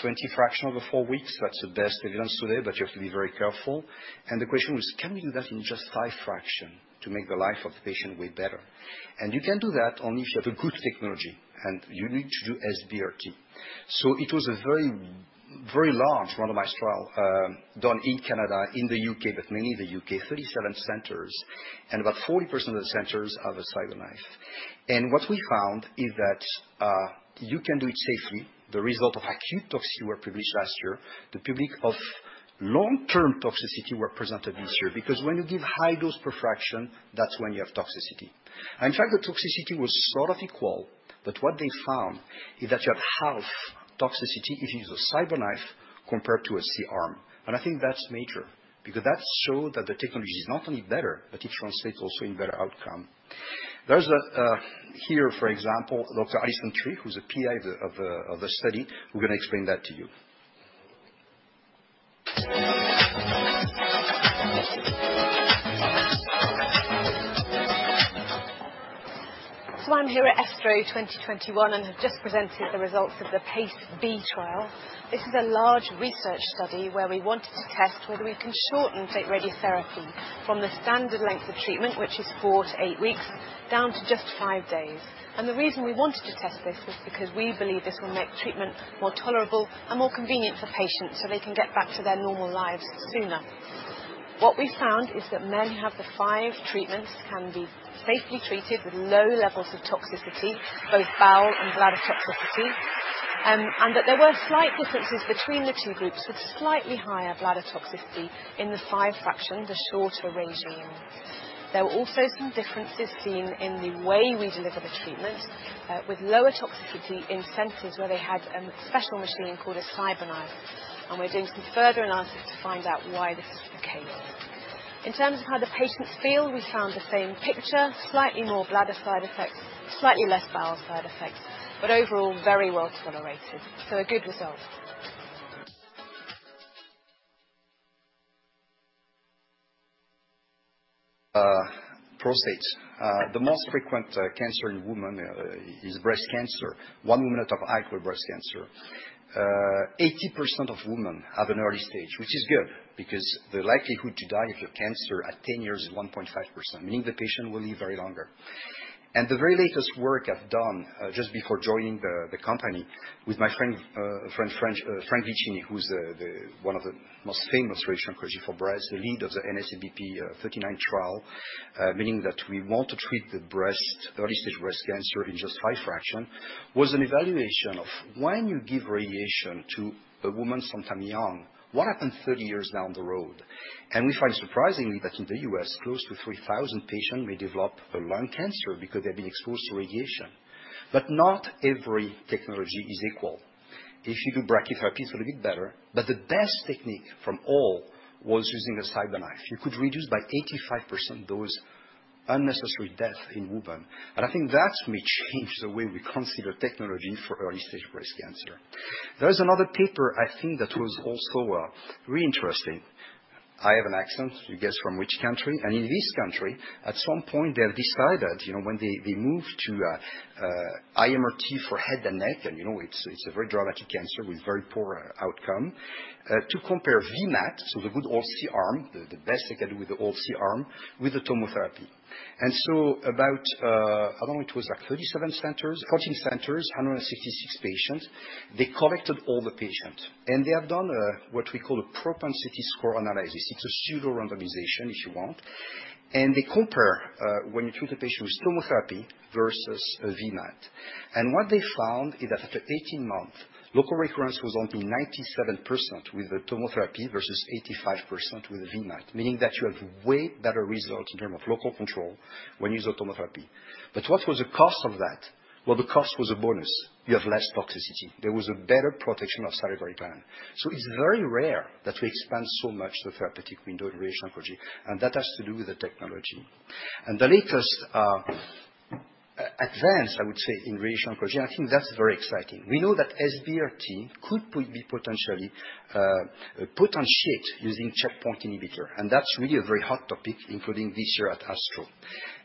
Speaker 6: 20 fraction over four weeks. That's the best evidence today, but you have to be very careful. The question was, can we do that in just five fraction to make the life of the patient way better? You can do that only if you have a good technology, and you need to do SBRT. It was a very large randomized trial done in Canada, in the U.K., but mainly the U.K., 37 centers, and about 40% of the centers have a CyberKnife. What we found is that you can do it safely. The result of acute toxicity were published last year. The publication of long-term toxicity were presented this year, because when you give high dose per fraction, that's when you have toxicity. In fact, the toxicity was sort of equal. What they found is that you have half toxicity if you use a CyberKnife compared to a C-arm. I think that's major, because that show that the technology is not only better, but it translates also in better outcome. Here, for example, Dr. Alison Tree, who's a PI of the study, who're going to explain that to you.
Speaker 7: I'm here at ESTRO 2021 and have just presented the results of the PACE-B trial. This is a large research study where we wanted to test whether we can shorten prostate radiotherapy from the standard length of treatment, which is four to eight weeks, down to just six days. The reason we wanted to test this was because we believe this will make treatment more tolerable and more convenient for patients, so they can get back to their normal lives sooner. What we found is that men who have the five treatments can be safely treated with low levels of toxicity, both bowel and bladder toxicity. That there were slight differences between the two groups, with slightly higher bladder toxicity in the five fraction, the shorter regime. There were also some differences seen in the way we deliver the treatment, with lower toxicity in centers where they had a special machine called a CyberKnife. We're doing some further analysis to find out why this is the case. In terms of how the patients feel, we found the same picture, slightly more bladder side effects, slightly less bowel side effects. Overall, very well-tolerated. A good result.
Speaker 6: Prostate. The most frequent cancer in women is breast cancer. One woman out of eight with breast cancer. 80% of women have an early stage, which is good, because the likelihood to die of your cancer at 10 years is 1.5%, meaning the patient will live very longer. The very latest work I've done, just before joining the company, with my friend, Frank Vicini, who's one of the most famous radiation oncology for breast, the lead of the NSABP B-39 trial. Meaning that we want to treat the early-stage breast cancer in just five fractions, was an evaluation of when you give radiation to a woman sometime young, what happens 30 years down the road? We find surprisingly, that in the U.S., close to 3,000 patients may develop a lung cancer because they've been exposed to radiation. Not every technology is equal. If you do brachytherapy, it's a little bit better. The best technique from all was using a CyberKnife. You could reduce by 85% those unnecessary death in women. I think that may change the way we consider technology for early-stage breast cancer. There is another paper I think that was also very interesting. I have an accent, you guess from which country. In this country, at some point, they have decided when they move to IMRT for head and neck, and it's a very dramatic cancer with very poor outcome, to compare VMAT, so the good old C-arm, the best they can do with the old C-arm, with the TomoTherapy. About, how long it was, like 14 centers, 166 patients. They collected all the patients, and they have done what we call a propensity score analysis. It's a pseudo-randomization, if you want. They compare when you treat the patient with TomoTherapy versus a VMAT. What they found is that after 18 months, local recurrence was only 97% with the TomoTherapy, versus 85% with the VMAT. Meaning that you have way better results in terms of local control when you use a TomoTherapy. What was the cost of that? Well, the cost was a bonus. You have less toxicity. There was a better protection of salivary glands. It's very rare that we expand so much the therapeutic window in radiation oncology, and that has to do with the technology. The latest advance, I would say, in radiation oncology, I think that's very exciting. We know that SBRT could be potentially potentiated using checkpoint inhibitor, and that's really a very hot topic, including this year at ASTRO.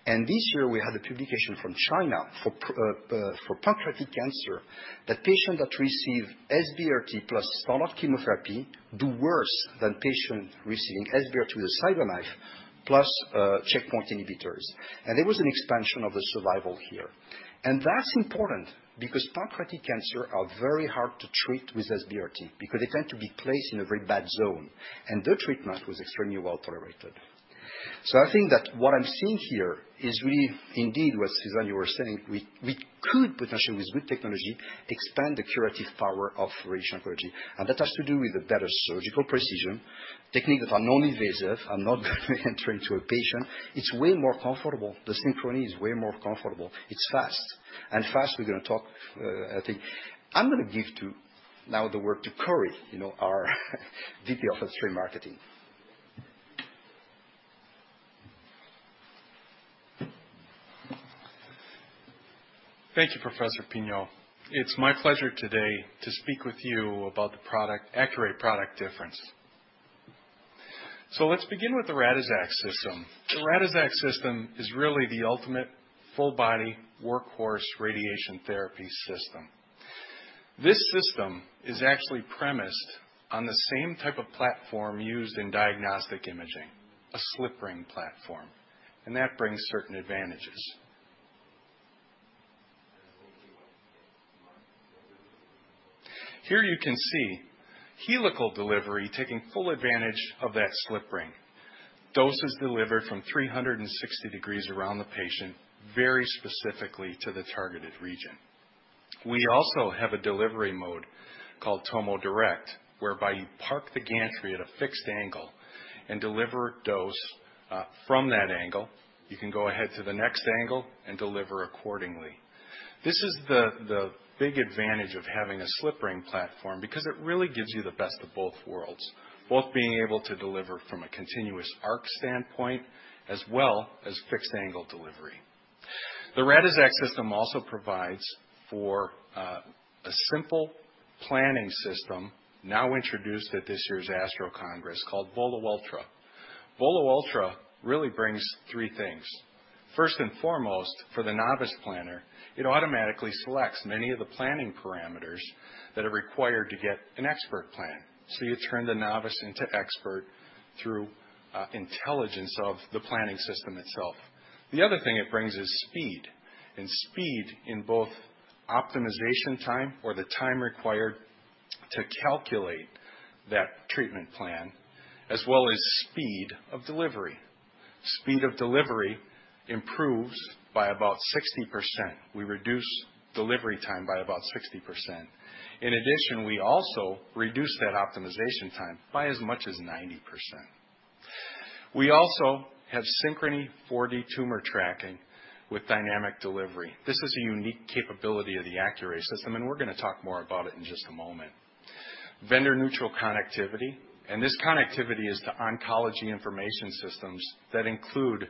Speaker 6: This year we had a publication from China for pancreatic cancer, that patient that receive SBRT plus standard chemotherapy do worse than patient receiving SBRT with a CyberKnife plus checkpoint inhibitors. There was an expansion of the survival here. That's important because pancreatic cancer are very hard to treat with SBRT because they tend to be placed in a very bad zone, and the treatment was extremely well-tolerated. I think that what I'm seeing here is really indeed what Suzanne, you were saying. We could potentially, with good technology, expand the curative power of radiation oncology. That has to do with the better surgical precision, techniques that are non-invasive, are not entering into a patient. It's way more comfortable. The Synchrony is way more comfortable. It's fast. Fast we're going to talk, I think. I'm going to give now the word to Corey, our VP of Product Strategy.
Speaker 8: Thank you, Professor Pignol. It's my pleasure today to speak with you about the Accuray product difference. Let's begin with the Radixact System. The Radixact System is really the ultimate full body workhorse radiation therapy system. This system is actually premised on the same type of platform used in diagnostic imaging, a slip ring platform, and that brings certain advantages. Here you can see helical delivery taking full advantage of that slip ring. Dose is delivered from 360 degrees around the patient, very specifically to the targeted region. We also have a delivery mode called TomoDirect, whereby you park the gantry at a fixed angle and deliver dose from that angle. You can go ahead to the next angle and deliver accordingly. This is the big advantage of having a slip ring platform, because it really gives you the best of both worlds, both being able to deliver from a continuous arc standpoint, as well as fixed angle delivery. The Radixact System also provides for a simple planning system, now introduced at this year's ASTRO Congress, called VOLO Ultra. VOLO Ultra really brings three things. First and foremost, for the novice planner, it automatically selects many of the planning parameters that are required to get an expert plan. You turn the novice into expert through intelligence of the planning system itself. The other thing it brings is speed, and speed in both optimization time or the time required to calculate that treatment plan, as well as speed of delivery. Speed of delivery improves by about 60%. We reduce delivery time by about 60%. In addition, we also reduce that optimization time by as much as 90%. We also have Synchrony 4D tumor tracking with dynamic delivery. This is a unique capability of the Accuray system, and we're going to talk more about it in just a moment. Vendor neutral connectivity, and this connectivity is to oncology information systems that include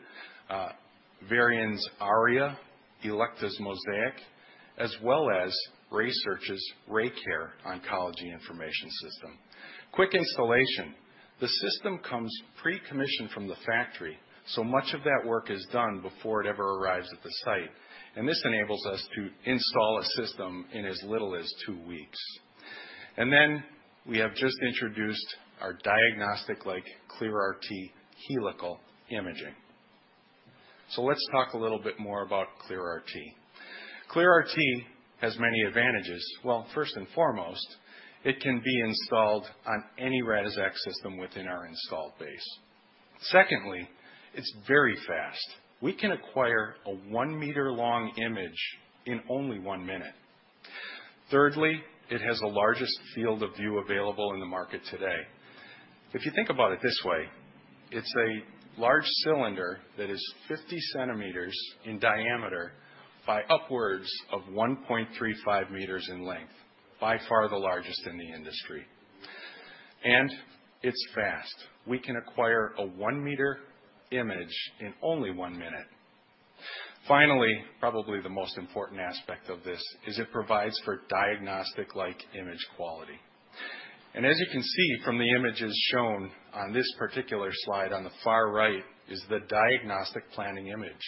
Speaker 8: Varian's ARIA, Elekta's MOSAIQ, as well as RaySearch's RayCare oncology information system. Quick installation. The system comes pre-commissioned from the factory, so much of that work is done before it ever arrives at the site, and this enables us to install a system in as little as two weeks. We have just introduced our diagnostic-like ClearRT helical imaging. Let's talk a little bit more about ClearRT. ClearRT has many advantages. Well, first and foremost, it can be installed on any Radixact system within our install base. Secondly, it's very fast. We can acquire a 1-m long image in only one minute. Thirdly, it has the largest field of view available in the market today. If you think about it this way, it's a large cylinder that is 50 cm in diameter by upwards of 1.35 m in length, by far the largest in the industry. It's fast. We can acquire a 1-m image in only one minute. Finally, probably the most important aspect of this is it provides for diagnostic-like image quality. As you can see from the images shown on this particular slide, on the far right is the diagnostic planning image.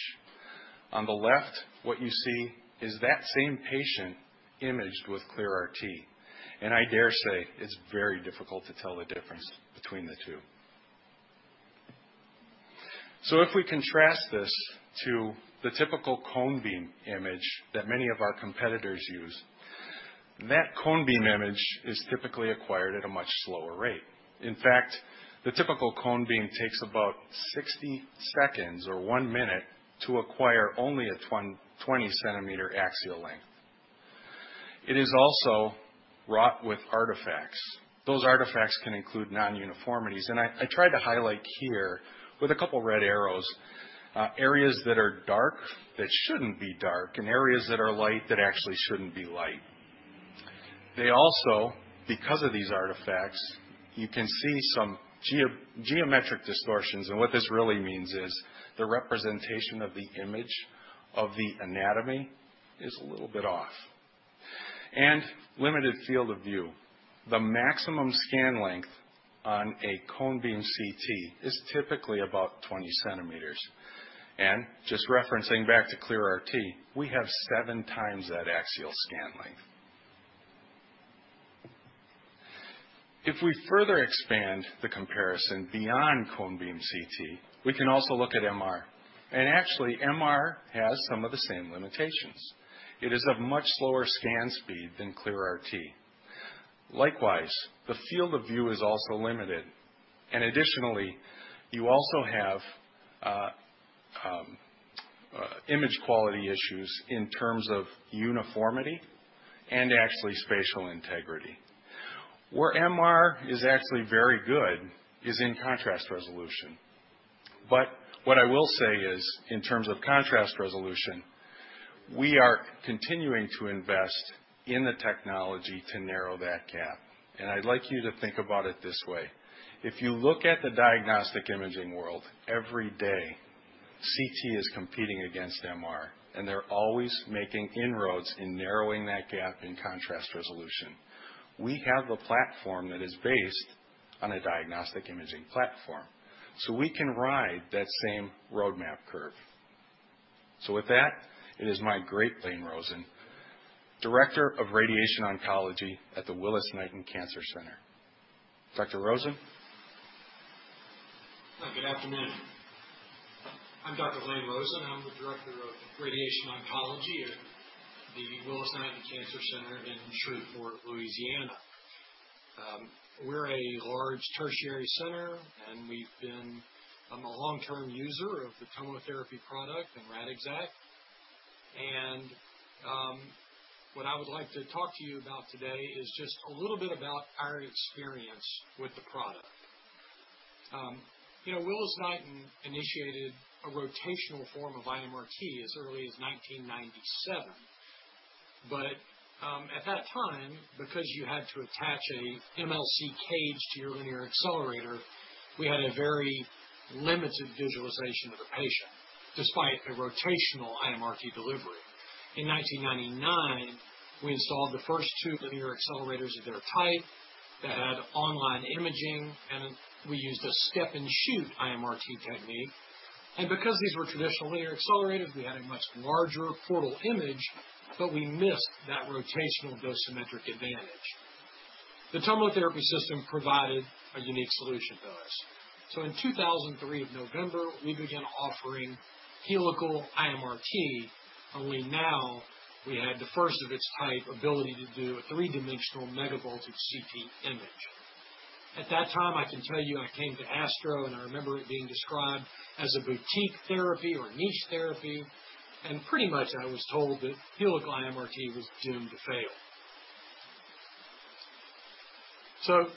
Speaker 8: On the left, what you see is that same patient imaged with ClearRT. I dare say it's very difficult to tell the difference between the two. If we contrast this to the typical cone-beam image that many of our competitors use, that cone-beam image is typically acquired at a much slower rate. In fact, the typical cone beam takes about 60 seconds or one minute to acquire only a 20-cm axial length. It is also wrought with artifacts. Those artifacts can include non-uniformities, I tried to highlight here with a couple of red arrows, areas that are dark that shouldn't be dark, and areas that are light that actually shouldn't be light. They also, because of these artifacts, you can see some geometric distortions, what this really means is the representation of the image of the anatomy is a little bit off. Limited field of view. The maximum scan length on a cone-beam CT is typically about 20 cm. Just referencing back to ClearRT, we have 7x that axial scan length. If we further expand the comparison beyond cone-beam CT, we can also look at MR. Actually, MR has some of the same limitations. It is of much slower scan speed than ClearRT. Likewise, the field of view is also limited. Additionally, you also have image quality issues in terms of uniformity and actually spatial integrity. Where MR is actually very good is in contrast resolution. What I will say is, in terms of contrast resolution, we are continuing to invest in the technology to narrow that gap. I'd like you to think about it this way. If you look at the diagnostic imaging world, every day, CT is competing against MR, and they're always making inroads in narrowing that gap in contrast resolution. We have a platform that is based on a diagnostic imaging platform, so we can ride that same roadmap curve. With that, it is my great pleasure, Lane Rosen, Director of Radiation Oncology at the Willis-Knighton Cancer Center. Dr. Rosen?
Speaker 9: Good afternoon. I'm Dr. Lane Rosen. I'm the Director of Radiation Oncology at the Willis-Knighton Cancer Center in Shreveport, Louisiana. We're a large tertiary center. I'm a long-term user of the TomoTherapy product and Radixact. What I would like to talk to you about today is just a little bit about our experience with the product. Willis-Knighton initiated a rotational form of IMRT as early as 1997. At that time, because you had to attach a MLC cage to your linear accelerator, we had a very limited visualization of the patient, despite a rotational IMRT delivery. In 1999, we installed the first two linear accelerators of their type that had online imaging, and we used a step and shoot IMRT technique. Because these were traditional linear accelerators, we had a much larger portal image, but we missed that rotational dosimetric advantage. The TomoTherapy system provided a unique solution to us. In 2003 of November, we began offering helical IMRT, only now we had the first of its type ability to do a three-dimensional megavoltage CT image. At that time, I can tell you, I came to ASTRO. I remember it being described as a boutique therapy or niche therapy. Pretty much I was told that helical IMRT was doomed to fail.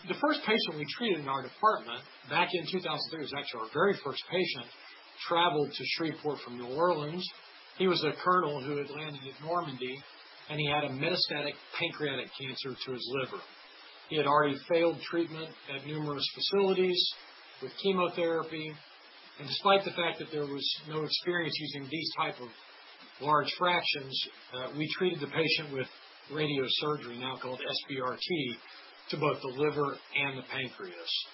Speaker 9: The first patient we treated in our department back in 2003, was actually our very first patient, traveled to Shreveport from New Orleans. He was a colonel who had landed at Normandy. He had a metastatic pancreatic cancer to his liver. He had already failed treatment at numerous facilities with chemotherapy, despite the fact that there was no experience using these type of large fractions, we treated the patient with radiosurgery, now called SBRT, to both the liver and the pancreas.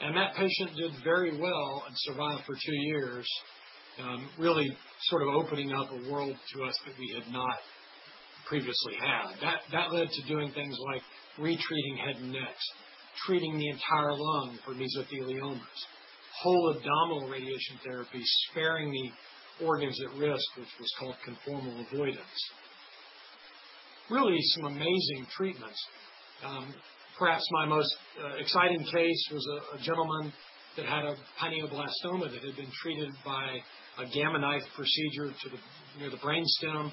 Speaker 9: That patient did very well and survived for two years, really opening up a world to us that we had not previously had. That led to doing things like retreating head and necks, treating the entire lung for mesotheliomas, whole abdominal radiation therapy, sparing the organs at risk, which was called conformal avoidance. Really some amazing treatments. Perhaps my most exciting case was a gentleman that had a pineoblastoma that had been treated by a Gamma Knife procedure near the brain stem,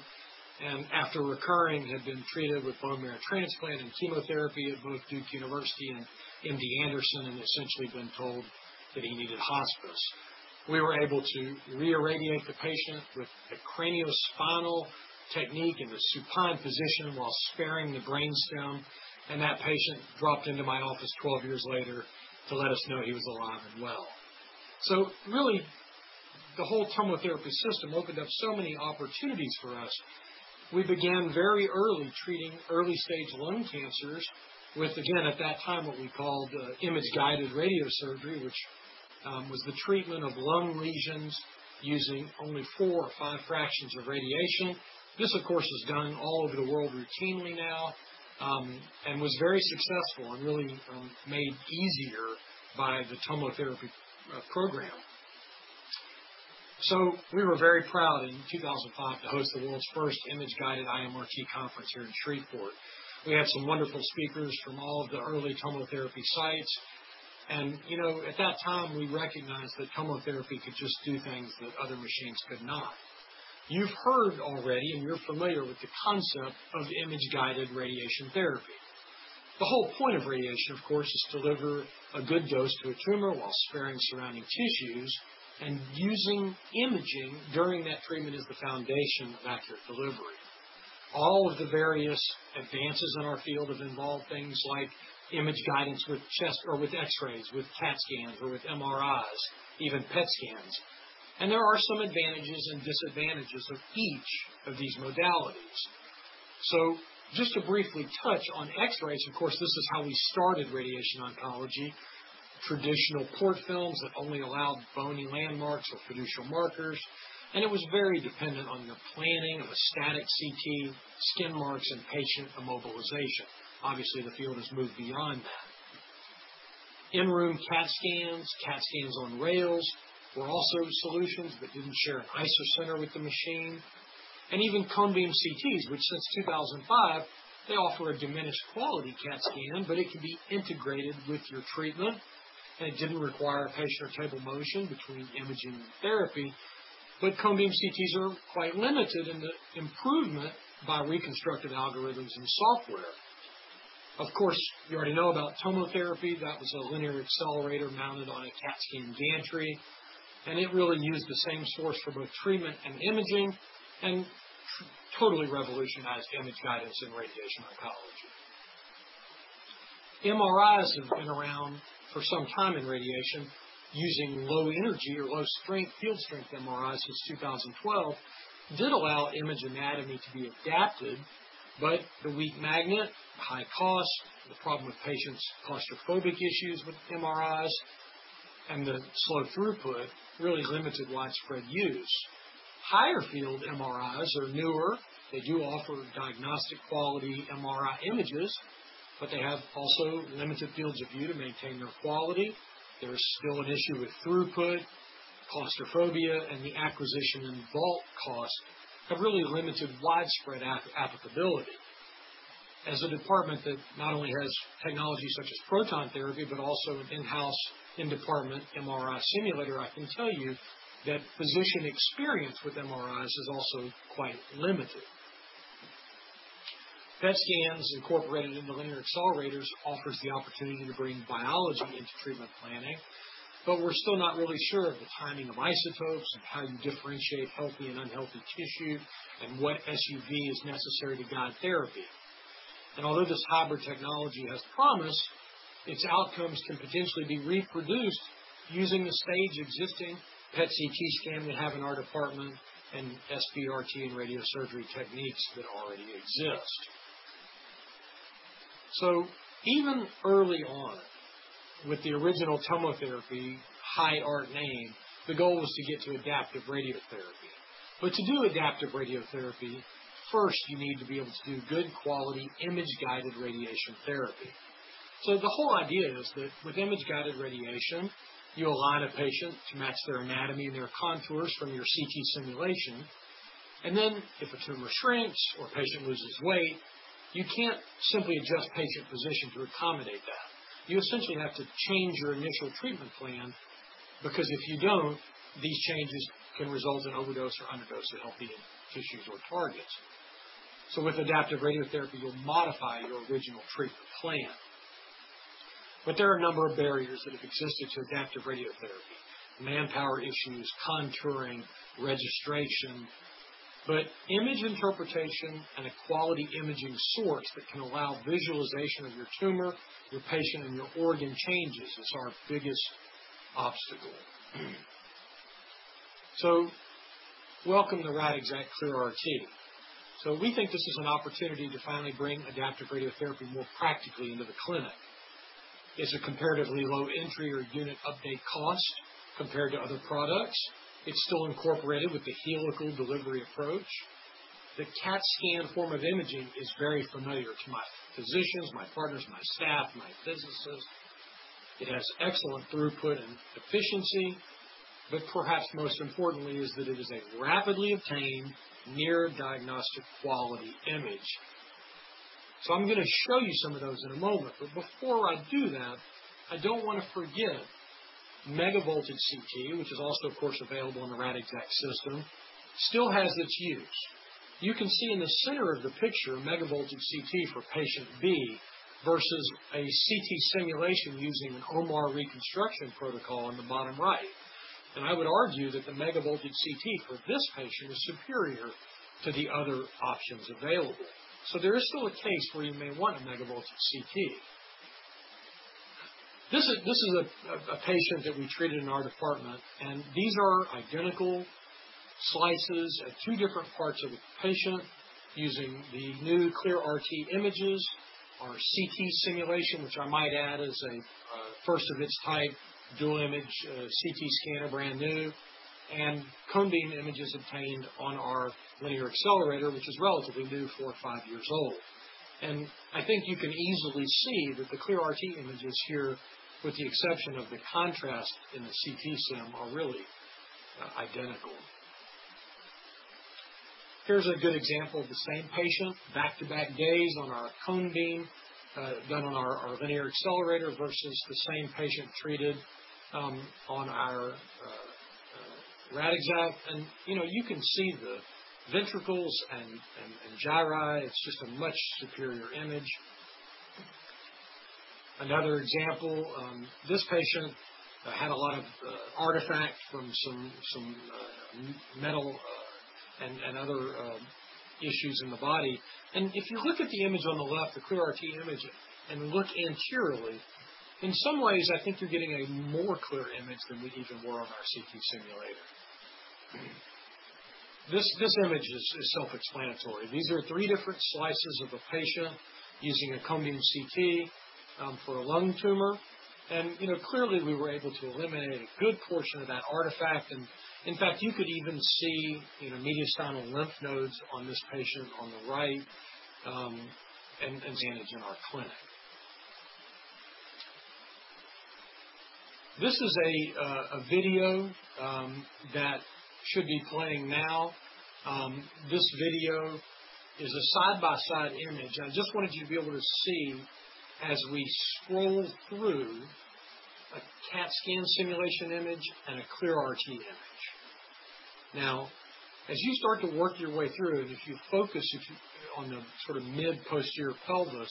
Speaker 9: and after recurring, had been treated with bone marrow transplant and chemotherapy at both Duke University and MD Anderson, and essentially been told that he needed hospice. We were able to reirradiate the patient with a craniospinal technique in the supine position while sparing the brain stem. That patient dropped into my office 12 years later to let us know he was alive and well. Really, the whole TomoTherapy system opened up so many opportunities for us. We began very early treating early stage lung cancers with, again, at that time, what we called image guided radiosurgery, which was the treatment of lung lesions using only four or five fractions of radiation. This, of course, is done all over the world routinely now, and was very successful and really made easier by the TomoTherapy program. We were very proud in 2005 to host the world's first image guided IMRT conference here in Shreveport. We had some wonderful speakers from all of the early TomoTherapy sites. At that time, we recognized that TomoTherapy could just do things that other machines could not. You've heard already, and you're familiar with the concept of image guided radiation therapy. The whole point of radiation, of course, is to deliver a good dose to a tumor while sparing surrounding tissues, and using imaging during that treatment is the foundation of accurate delivery. All of the various advances in our field have involved things like image guidance with chest or with X-rays, with CT scans or with MRIs, even PET scans. There are some advantages and disadvantages of each of these modalities. Just to briefly touch on X-rays, of course, this is how we started radiation oncology. Traditional port films that only allowed bony landmarks or fiducial markers, and it was very dependent on the planning of a static CT, skin marks, and patient immobilization. Obviously, the field has moved beyond that. In-room CT scans, CT scans on rails were also solutions but didn't share an isocenter with the machine. Even cone-beam CTs, which since 2005, they offer a diminished quality CT scan, but it can be integrated with your treatment, and it didn't require a patient or table motion between imaging and therapy. Cone-beam CTs are quite limited in the improvement by reconstructed algorithms and software. Of course, you already know about TomoTherapy. That was a linear accelerator mounted on a CT scan gantry, and it really used the same source for both treatment and imaging and totally revolutionized image guidance in radiation oncology. MRIs have been around for some time in radiation. Using low energy or low field strength MRI since 2012 did allow image anatomy to be adapted, but the weak magnet, the high cost, the problem with patients' claustrophobic issues with MRIs, and the slow throughput really limited widespread use. Higher field MRIs are newer. They do offer diagnostic quality MRI images, but they have also limited fields of view to maintain their quality. There is still an issue with throughput, claustrophobia, and the acquisition and vault costs have really limited widespread applicability. As a department that not only has technology such as proton therapy but also an in-house, in-department MRI simulator, I can tell you that physician experience with MRIs is also quite limited. PET scans incorporated into linear accelerators offers the opportunity to bring biology into treatment planning, but we're still not really sure of the timing of isotopes and how you differentiate healthy and unhealthy tissue and what SUV is necessary to guide therapy. Although this hybrid technology has promise, its outcomes can potentially be reproduced using the existing PET/CT scan we have in our department and SBRT and radiosurgery techniques that already exist. Even early on with the original TomoTherapy Hi-Art name, the goal was to get to adaptive radiotherapy. To do adaptive radiotherapy, first you need to be able to do good quality image-guided radiation therapy. The whole idea is that with image-guided radiation, you align a patient to match their anatomy and their contours from your CT simulation, and then if a tumor shrinks or patient loses weight, you can't simply adjust patient position to accommodate that. You essentially have to change your initial treatment plan, because if you don't, these changes can result in overdose or underdose to healthy tissues or targets. With adaptive radiotherapy, you'll modify your original treatment plan. There are a number of barriers that have existed to adaptive radiotherapy, manpower issues, contouring, registration. Image interpretation and a quality imaging source that can allow visualization of your tumor, your patient, and your organ changes is our biggest obstacle. Welcome to Radixact ClearRT. We think this is an opportunity to finally bring adaptive radiotherapy more practically into the clinic. It's a comparatively low entry or unit update cost compared to other products. It's still incorporated with the helical delivery approach. The CAT scan form of imaging is very familiar to my physicians, my partners, my staff, my physicists. It has excellent throughput and efficiency. Perhaps most importantly is that it is a rapidly obtained near diagnostic quality image. I'm going to show you some of those in a moment. Before I do that, I don't want to forget megavoltage CT, which is also, of course, available in the Radixact system, still has its use. You can see in the center of the picture, megavoltage CT for patient B versus a CT simulation using an O-MAR reconstruction protocol on the bottom right. I would argue that the megavoltage CT for this patient was superior to the other options available. There is still a case where you may want a megavoltage CT. This is a patient that we treated in our department. These are identical slices at two different parts of the patient using the new ClearRT images, our CT simulation, which I might add is a first of its type dual image CT scanner, brand new, and cone beam images obtained on our linear accelerator, which is relatively new, four or five years old. I think you can easily see that the ClearRT images here, with the exception of the contrast in the CT sim, are really identical. Here's a good example of the same patient back-to-back days on our cone beam, done on our linear accelerator versus the same patient treated on our Radixact. You can see the ventricles and gyri. It's just a much superior image. Another example, this patient had a lot of artifact from some metal and other issues in the body. If you look at the image on the left, the ClearRT image, and look anteriorly, in some ways, I think you're getting a more clear image than we even were on our CT simulator. This image is self-explanatory. These are three different slices of a patient using a cone beam CT for a lung tumor, clearly, we were able to eliminate a good portion of that artifact. In fact, you could even see mediastinal lymph nodes on this patient on the right as images in our clinic. This is a video that should be playing now. This video is a side-by-side image. I just wanted you to be able to see as we scroll through a CAT scan simulation image and a ClearRT image. As you start to work your way through it, if you focus on the mid posterior pelvis,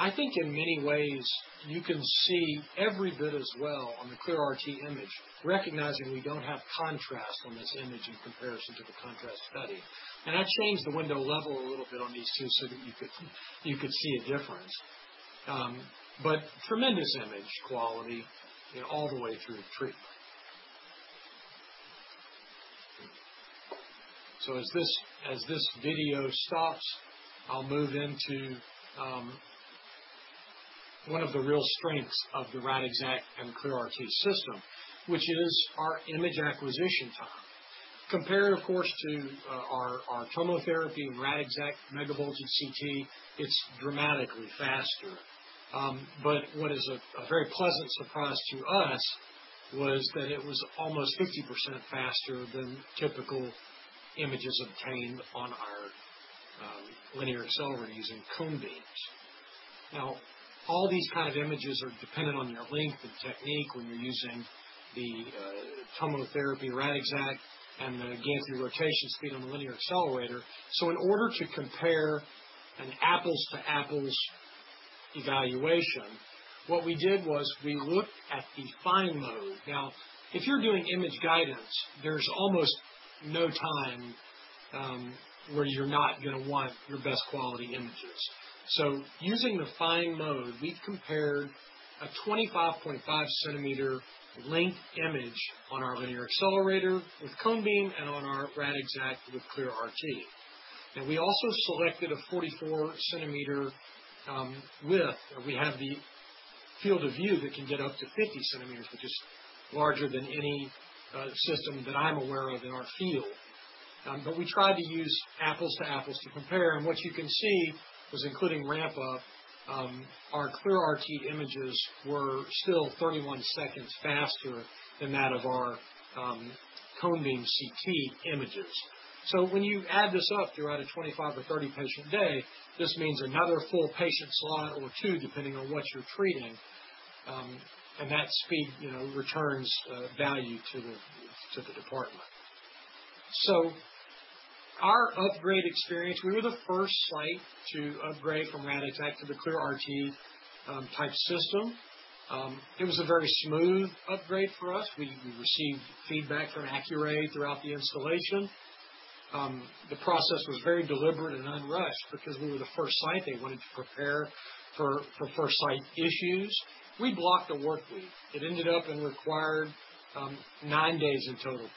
Speaker 9: I think in many ways you can see every bit as well on the ClearRT image, recognizing we don't have contrast on this image in comparison to the contrast study. I changed the window level a little bit on these two so that you could see a difference. Tremendous image quality all the way through the treatment. As this video stops, I'll move into one of the real strengths of the Radixact and ClearRT system, which is our image acquisition time. Compared, of course, to our TomoTherapy, Radixact megavoltage CT, it's dramatically faster. What is a very pleasant surprise to us was that it was almost 50% faster than typical images obtained on our linear accelerator using cone beams. All these kind of images are dependent on their length and technique when you're using the TomoTherapy Radixact, and again, through rotation speed on the linear accelerator. In order to compare an apples-to-apples evaluation, what we did was we looked at the fine mode. If you're doing image guidance, there's almost no time where you're not going to want your best quality images. Using the fine mode, we've compared a 25.5 cm length image on our linear accelerator with cone beam and on our Radixact with ClearRT. We also selected a 44 cm width. We have the field of view that can get up to 50 cm, which is larger than any system that I'm aware of in our field. We tried to use apples to apples to compare, what you can see was including ramp-up, our ClearRT images were still 31 seconds faster than that of our Cone Beam CT images. When you add this up, you're at a 25 or 30 patient day. This means another full patient slot or two, depending on what you're treating. That speed returns value to the department. Our upgrade experience, we were the first site to upgrade from Radixact to the ClearRT type system. It was a very smooth upgrade for us. We received feedback from Accuray throughout the installation. The process was very deliberate and unrushed because we were the first site. They wanted to prepare for first site issues. We blocked a work week. It ended up and required nine days in total,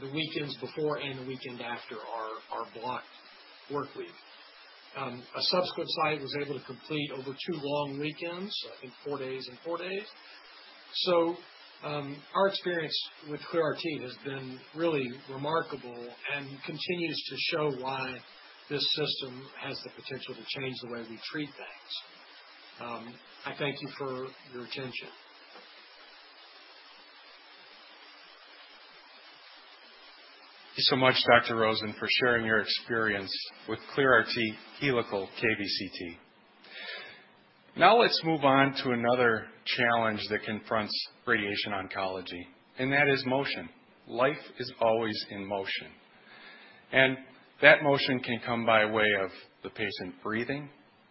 Speaker 9: the weekends before and the weekend after our blocked work week. A subsequent site was able to complete over two long weekends, I think four days and four days. Our experience with ClearRT has been really remarkable and continues to show why this system has the potential to change the way we treat things. I thank you for your attention.
Speaker 8: Thank you so much, Dr. Rosen, for sharing your experience with ClearRT Helical kVCT. Let's move on to another challenge that confronts radiation oncology, and that is motion. Life is always in motion, and that motion can come by way of the patient breathing,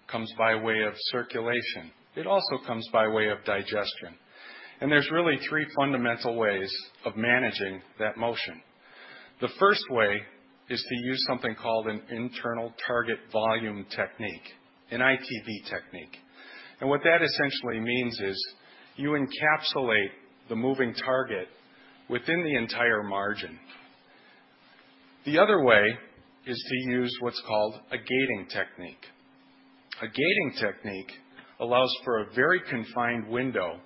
Speaker 8: comes by way of circulation. It also comes by way of digestion. There's really three fundamental ways of managing that motion. The first way is to use something called an internal target volume technique, an ITV technique. What that essentially means is you encapsulate the moving target within the entire margin. The other way is to use what's called a gating technique. A gating technique allows for a very confined window,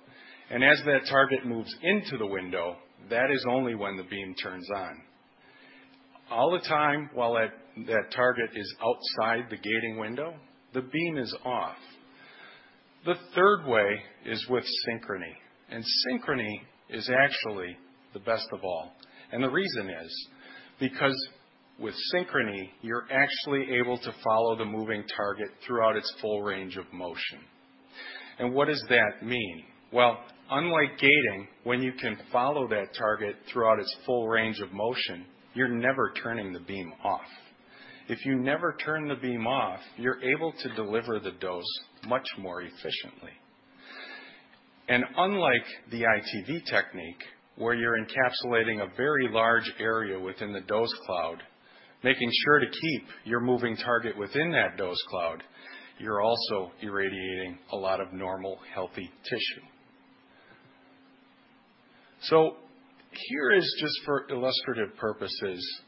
Speaker 8: as that target moves into the window, that is only when the beam turns on. All the time while that target is outside the gating window, the beam is off. The third way is with Synchrony. Synchrony is actually the best of all. The reason is because with Synchrony, you're actually able to follow the moving target throughout its full range of motion. What does that mean? Well, unlike gating, when you can follow that target throughout its full range of motion, you're never turning the beam off. If you never turn the beam off, you're able to deliver the dose much more efficiently. Unlike the ITV technique, where you're encapsulating a very large area within the dose cloud, making sure to keep your moving target within that dose cloud, you're also irradiating a lot of normal, healthy tissue. Here is just for illustrative purposes,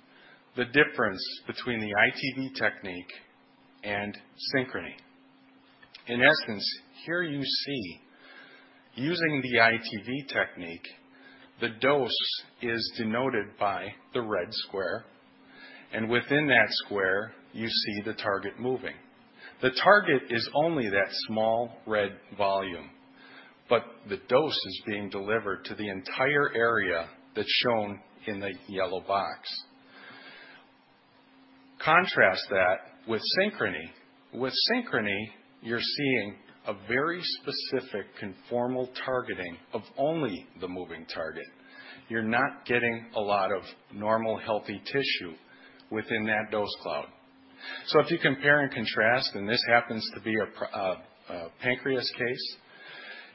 Speaker 8: the difference between the ITV technique and Synchrony. In essence, here you see using the ITV technique, the dose is denoted by the red square, and within that square, you see the target moving. The target is only that small red volume, but the dose is being delivered to the entire area that's shown in the yellow box. Contrast that with Synchrony. With Synchrony, you're seeing a very specific conformal targeting of only the moving target. You're not getting a lot of normal, healthy tissue within that dose cloud. If you compare and contrast, and this happens to be a pancreas case,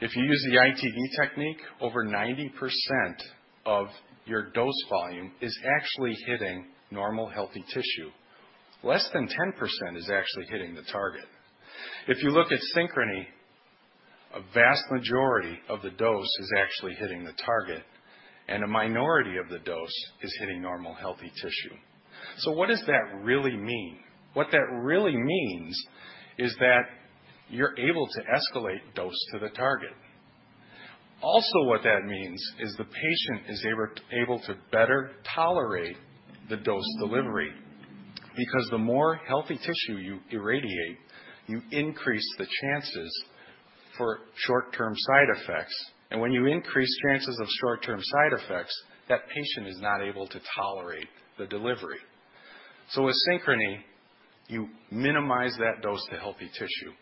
Speaker 8: if you use the ITV technique, over 90% of your dose volume is actually hitting normal, healthy tissue. Less than 10% is actually hitting the target. If you look at Synchrony. A vast majority of the dose is actually hitting the target, and a minority of the dose is hitting normal, healthy tissue. What does that really mean? What that really means is that you're able to escalate dose to the target. What that means is the patient is able to better tolerate the dose delivery, because the more healthy tissue you irradiate, you increase the chances for short-term side effects. When you increase chances of short-term side effects, that patient is not able to tolerate the delivery. With Synchrony, you minimize that dose to healthy tissue.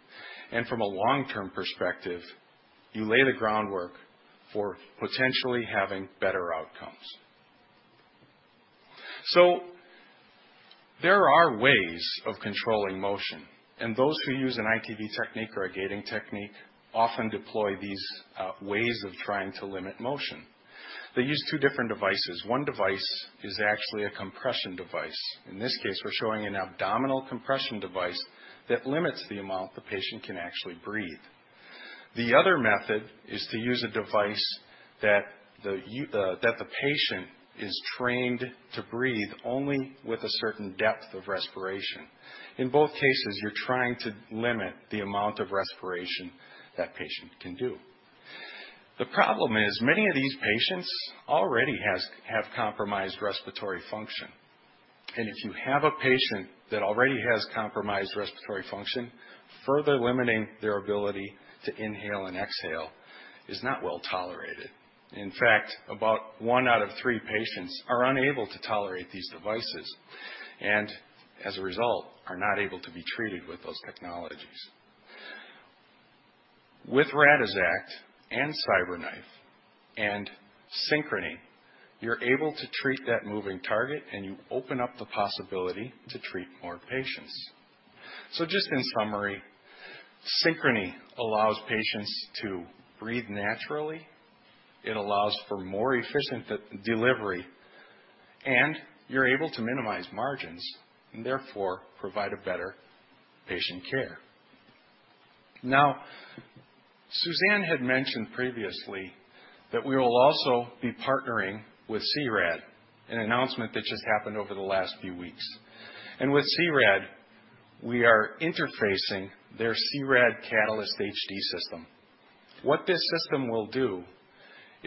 Speaker 8: From a long-term perspective, you lay the groundwork for potentially having better outcomes. There are ways of controlling motion, and those who use an ITV technique or a gating technique often deploy these ways of trying to limit motion. They use two different devices. One device is actually a compression device. In this case, we're showing an abdominal compression device that limits the amount the patient can actually breathe. The other method is to use a device that the patient is trained to breathe only with a certain depth of respiration. In both cases, you're trying to limit the amount of respiration that patient can do. The problem is, many of these patients already have compromised respiratory function. If you have a patient that already has compromised respiratory function, further limiting their ability to inhale and exhale is not well-tolerated. In fact, about one out of three patients are unable to tolerate these devices, and as a result, are not able to be treated with those technologies. With Radixact and CyberKnife and Synchrony, you're able to treat that moving target, and you open up the possibility to treat more patients. Just in summary, Synchrony allows patients to breathe naturally. It allows for more efficient delivery, and you're able to minimize margins, and therefore, provide a better patient care. Suzanne had mentioned previously that we will also be partnering with C-RAD, an announcement that just happened over the last few weeks. With C-RAD, we are interfacing their C-RAD Catalyst+ HD system. What this system will do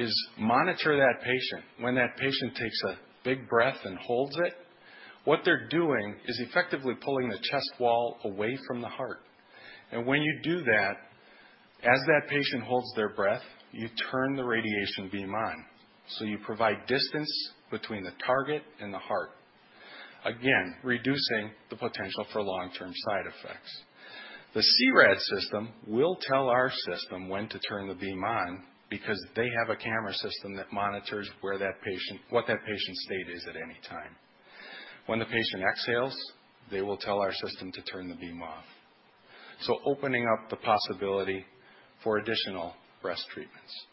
Speaker 8: is monitor that patient. When that patient takes a big breath and holds it, what they're doing is effectively pulling the chest wall away from the heart. When you do that, as that patient holds their breath, you turn the radiation beam on. You provide distance between the target and the heart, again, reducing the potential for long-term side effects. The C-RAD system will tell our system when to turn the beam on because they have a camera system that monitors what that patient's state is at any time. When the patient exhales, they will tell our system to turn the beam off. Opening up the possibility for additional breast treatments.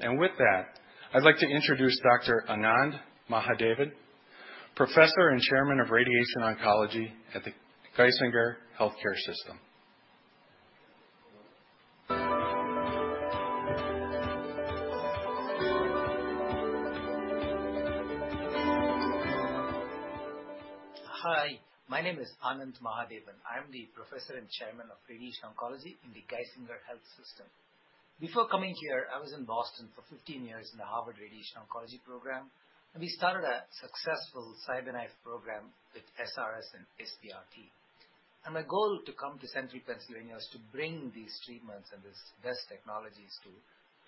Speaker 8: With that, I'd like to introduce Dr. Anand Mahadevan, Professor and Chairman of Radiation Oncology at the Geisinger Health System.
Speaker 10: Hi, my name is Anand Mahadevan. I'm the Professor and Chairman of Radiation Oncology in the Geisinger Health System. Before coming here, I was in Boston for 15 years in the Harvard Radiation Oncology program, and we started a successful CyberKnife program with SRS and SBRT. My goal to come to central Pennsylvania is to bring these treatments and these best technologies to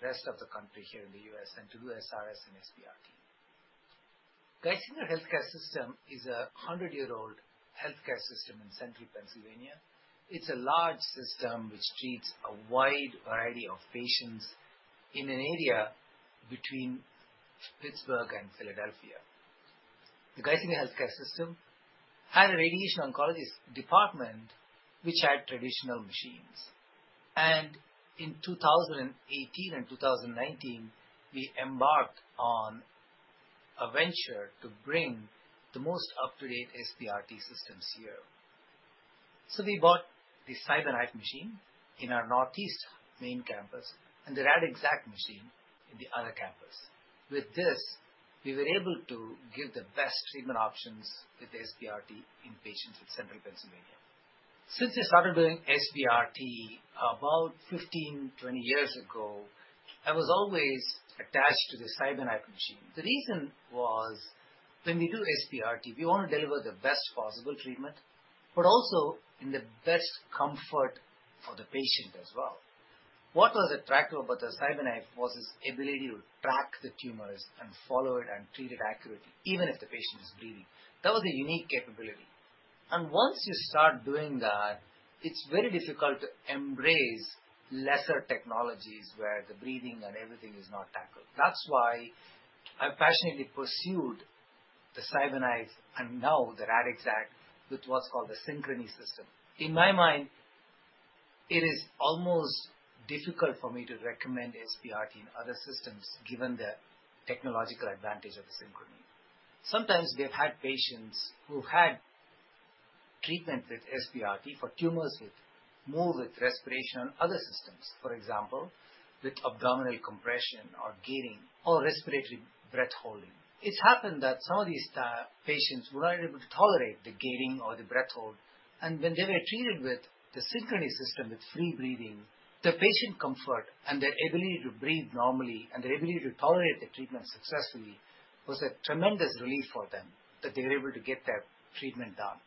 Speaker 10: rest of the country here in the U.S. and to do SRS and SBRT. Geisinger Health System is a 100-year-old health care system in central Pennsylvania. It's a large system which treats a wide variety of patients in an area between Pittsburgh and Philadelphia. The Geisinger Health System had a Radiation Oncology department which had traditional machines. In 2018 and 2019, we embarked on a venture to bring the most up-to-date SBRT systems here. We bought the CyberKnife machine in our northeast main campus and the Radixact machine in the other campus. With this, we were able to give the best treatment options with SBRT in patients in central Pennsylvania. Since I started doing SBRT about 15, 20 years ago, I was always attached to the CyberKnife machine. The reason was, when we do SBRT, we want to deliver the best possible treatment, but also in the best comfort for the patient as well. What was attractive about the CyberKnife was its ability to track the tumors and follow it and treat it accurately, even if the patient is breathing. That was a unique capability. Once you start doing that, it's very difficult to embrace lesser technologies where the breathing and everything is not tackled. That's why I passionately pursued the CyberKnife and now the Radixact, with what's called the Synchrony system. In my mind, it is almost difficult for me to recommend SBRT in other systems given the technological advantage of the Synchrony. Sometimes we've had patients who had treatment with SBRT for tumors that move with respiration or other systems, for example, with abdominal compression or gating or respiratory breath holding. It's happened that some of these patients were not able to tolerate the gating or the breath hold, and when they were treated with the Synchrony system with free breathing, the patient comfort and their ability to breathe normally and their ability to tolerate the treatment successfully was a tremendous relief for them that they were able to get their treatment done.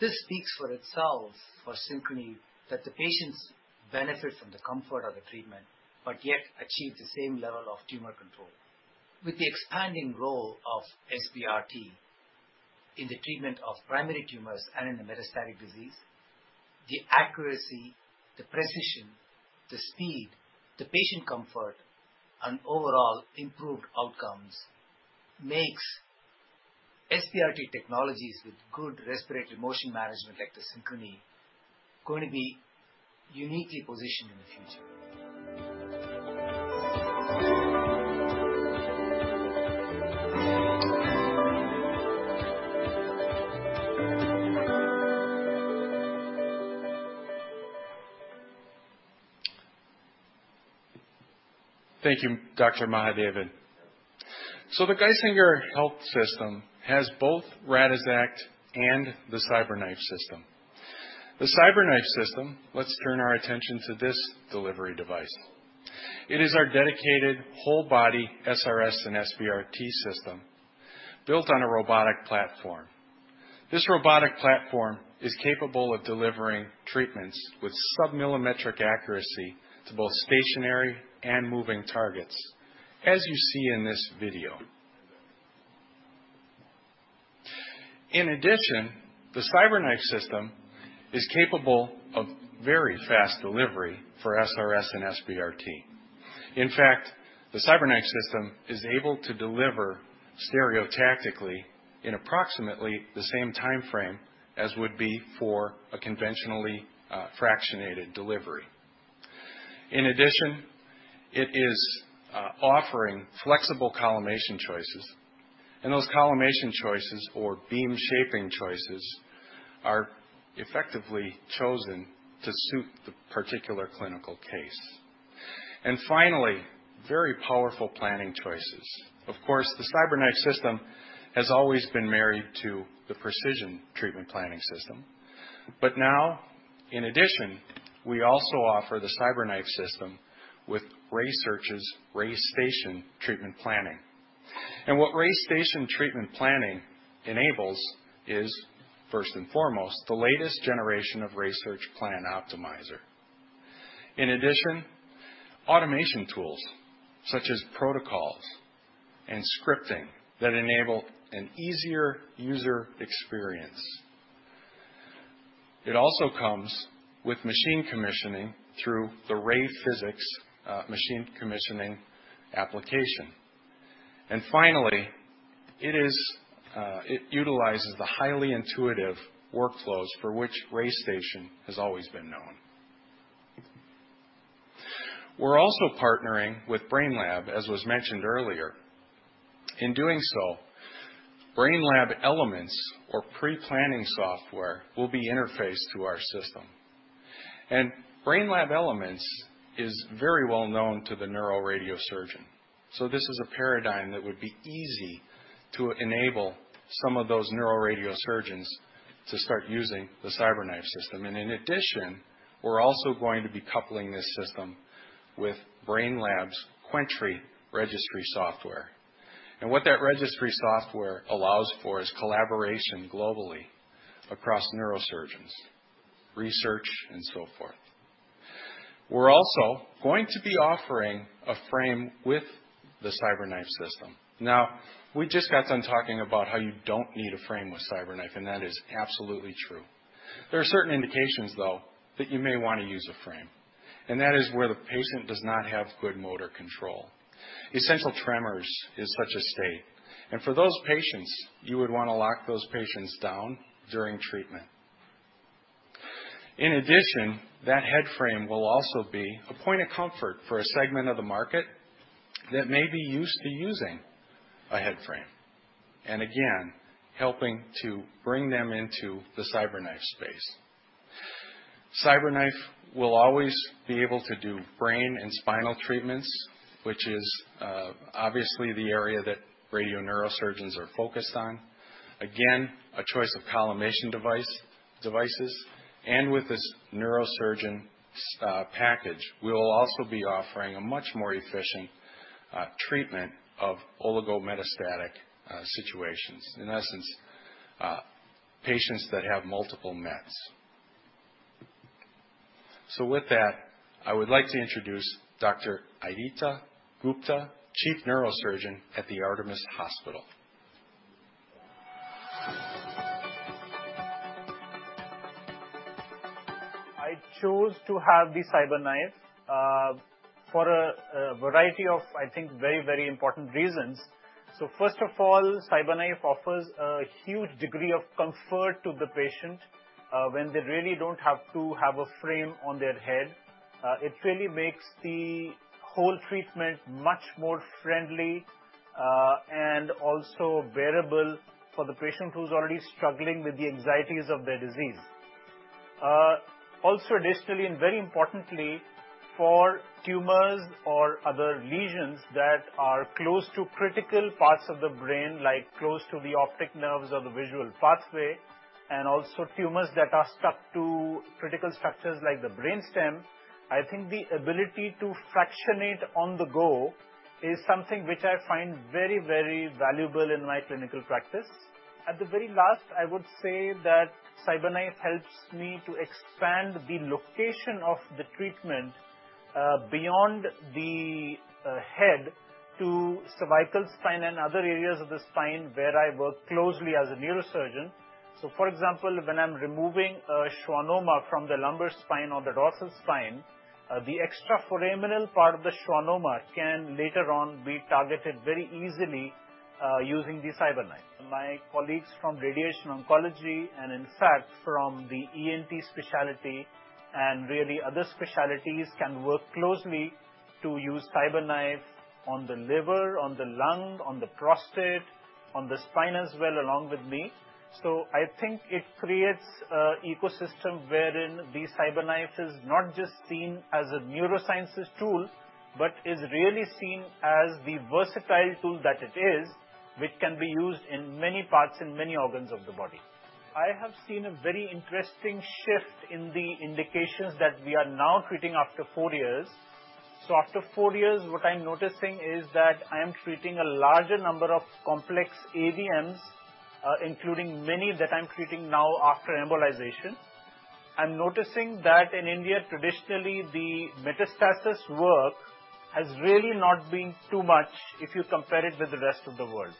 Speaker 10: This speaks for itself, for Synchrony, that the patients benefit from the comfort of the treatment, but yet achieve the same level of tumor control. With the expanding role of SBRT in the treatment of primary tumors and in the metastatic disease, the accuracy, the precision, the speed, the patient comfort, and overall improved outcomes makes SBRT technologies with good respiratory motion management like the Synchrony going to be uniquely positioned in the future.
Speaker 8: Thank you, Dr. Mahadevan. The Geisinger Health System has both Radixact and the CyberKnife system. The CyberKnife system, let's turn our attention to this delivery device. It is our dedicated whole body SRS and SBRT system built on a robotic platform. This robotic platform is capable of delivering treatments with sub-millimetric accuracy to both stationary and moving targets, as you see in this video. In addition, the CyberKnife system is capable of very fast delivery for SRS and SBRT. In fact, the CyberKnife system is able to deliver stereotactically in approximately the same timeframe as would be for a conventionally fractionated delivery. In addition, it is offering flexible collimation choices, and those collimation choices or beam shaping choices are effectively chosen to suit the particular clinical case. Finally, very powerful planning choices. Of course, the CyberKnife system has always been married to the Precision Treatment Planning system. Now, in addition, we also offer the CyberKnife system with RaySearch's RayStation Treatment Planning. What RayStation Treatment Planning enables is, first and foremost, the latest generation of RaySearch Plan Optimizer. In addition, automation tools such as protocols and scripting that enable an easier user experience. It also comes with machine commissioning through the RayPhysics machine commissioning application. Finally, it utilizes the highly intuitive workflows for which RayStation has always been known. We're also partnering with Brainlab, as was mentioned earlier. In doing so, Brainlab Elements or pre-planning software will be interfaced to our system. Brainlab Elements is very well known to the neuroradiosurgeon. This is a paradigm that would be easy to enable some of those neuroradiosurgeons to start using the CyberKnife system. In addition, we're also going to be coupling this system with Brainlab's Quentry registry software. What that registry software allows for is collaboration globally across neurosurgeons, research, and so forth. We're also going to be offering a frame with the CyberKnife system. Now, we just got done talking about how you don't need a frame with CyberKnife, and that is absolutely true. There are certain indications, though, that you may want to use a frame, and that is where the patient does not have good motor control. Essential tremors is such a state. For those patients, you would want to lock those patients down during treatment. In addition, that head frame will also be a point of comfort for a segment of the market that may be used to using a head frame, and again, helping to bring them into the CyberKnife space. CyberKnife will always be able to do brain and spinal treatments, which is obviously the area that radioneurosurgeons are focused on. Again, a choice of collimation devices. With this neurosurgeon package, we will also be offering a much more efficient treatment of oligometastatic situations. In essence, patients that have multiple mets. With that, I would like to introduce Dr. Aditya Gupta, Chief Neurosurgeon at the Artemis Hospital.
Speaker 11: I chose to have the CyberKnife for a variety of, I think, very important reasons. First of all, CyberKnife offers a huge degree of comfort to the patient, when they really don't have to have a frame on their head. It really makes the whole treatment much more friendly and also bearable for the patient who's already struggling with the anxieties of their disease. Additionally, and very importantly, for tumors or other lesions that are close to critical parts of the brain, like close to the optic nerves or the visual pathway, and also tumors that are stuck to critical structures like the brain stem, I think the ability to fractionate on the go is something which I find very valuable in my clinical practice. At the very last, I would say that CyberKnife helps me to expand the location of the treatment beyond the head to cervical spine and other areas of the spine where I work closely as a neurosurgeon. For example, when I'm removing a schwannoma from the lumbar spine or the dorsal spine, the extraforaminal part of the schwannoma can later on be targeted very easily, using the CyberKnife. My colleagues from radiation oncology and, in fact, from the ENT specialty and really other specialties can work closely to use CyberKnife on the liver, on the lung, on the prostate, on the spine as well, along with me. I think it creates a ecosystem wherein the CyberKnife is not just seen as a neurosciences tool, but is really seen as the versatile tool that it is, which can be used in many parts and many organs of the body. I have seen a very interesting shift in the indications that we are now treating after 4 years. After 4 years, what I'm noticing is that I am treating a larger number of complex AVMs, including many that I'm treating now after embolization. I'm noticing that in India, traditionally, the metastasis work has really not been too much if you compare it with the rest of the world.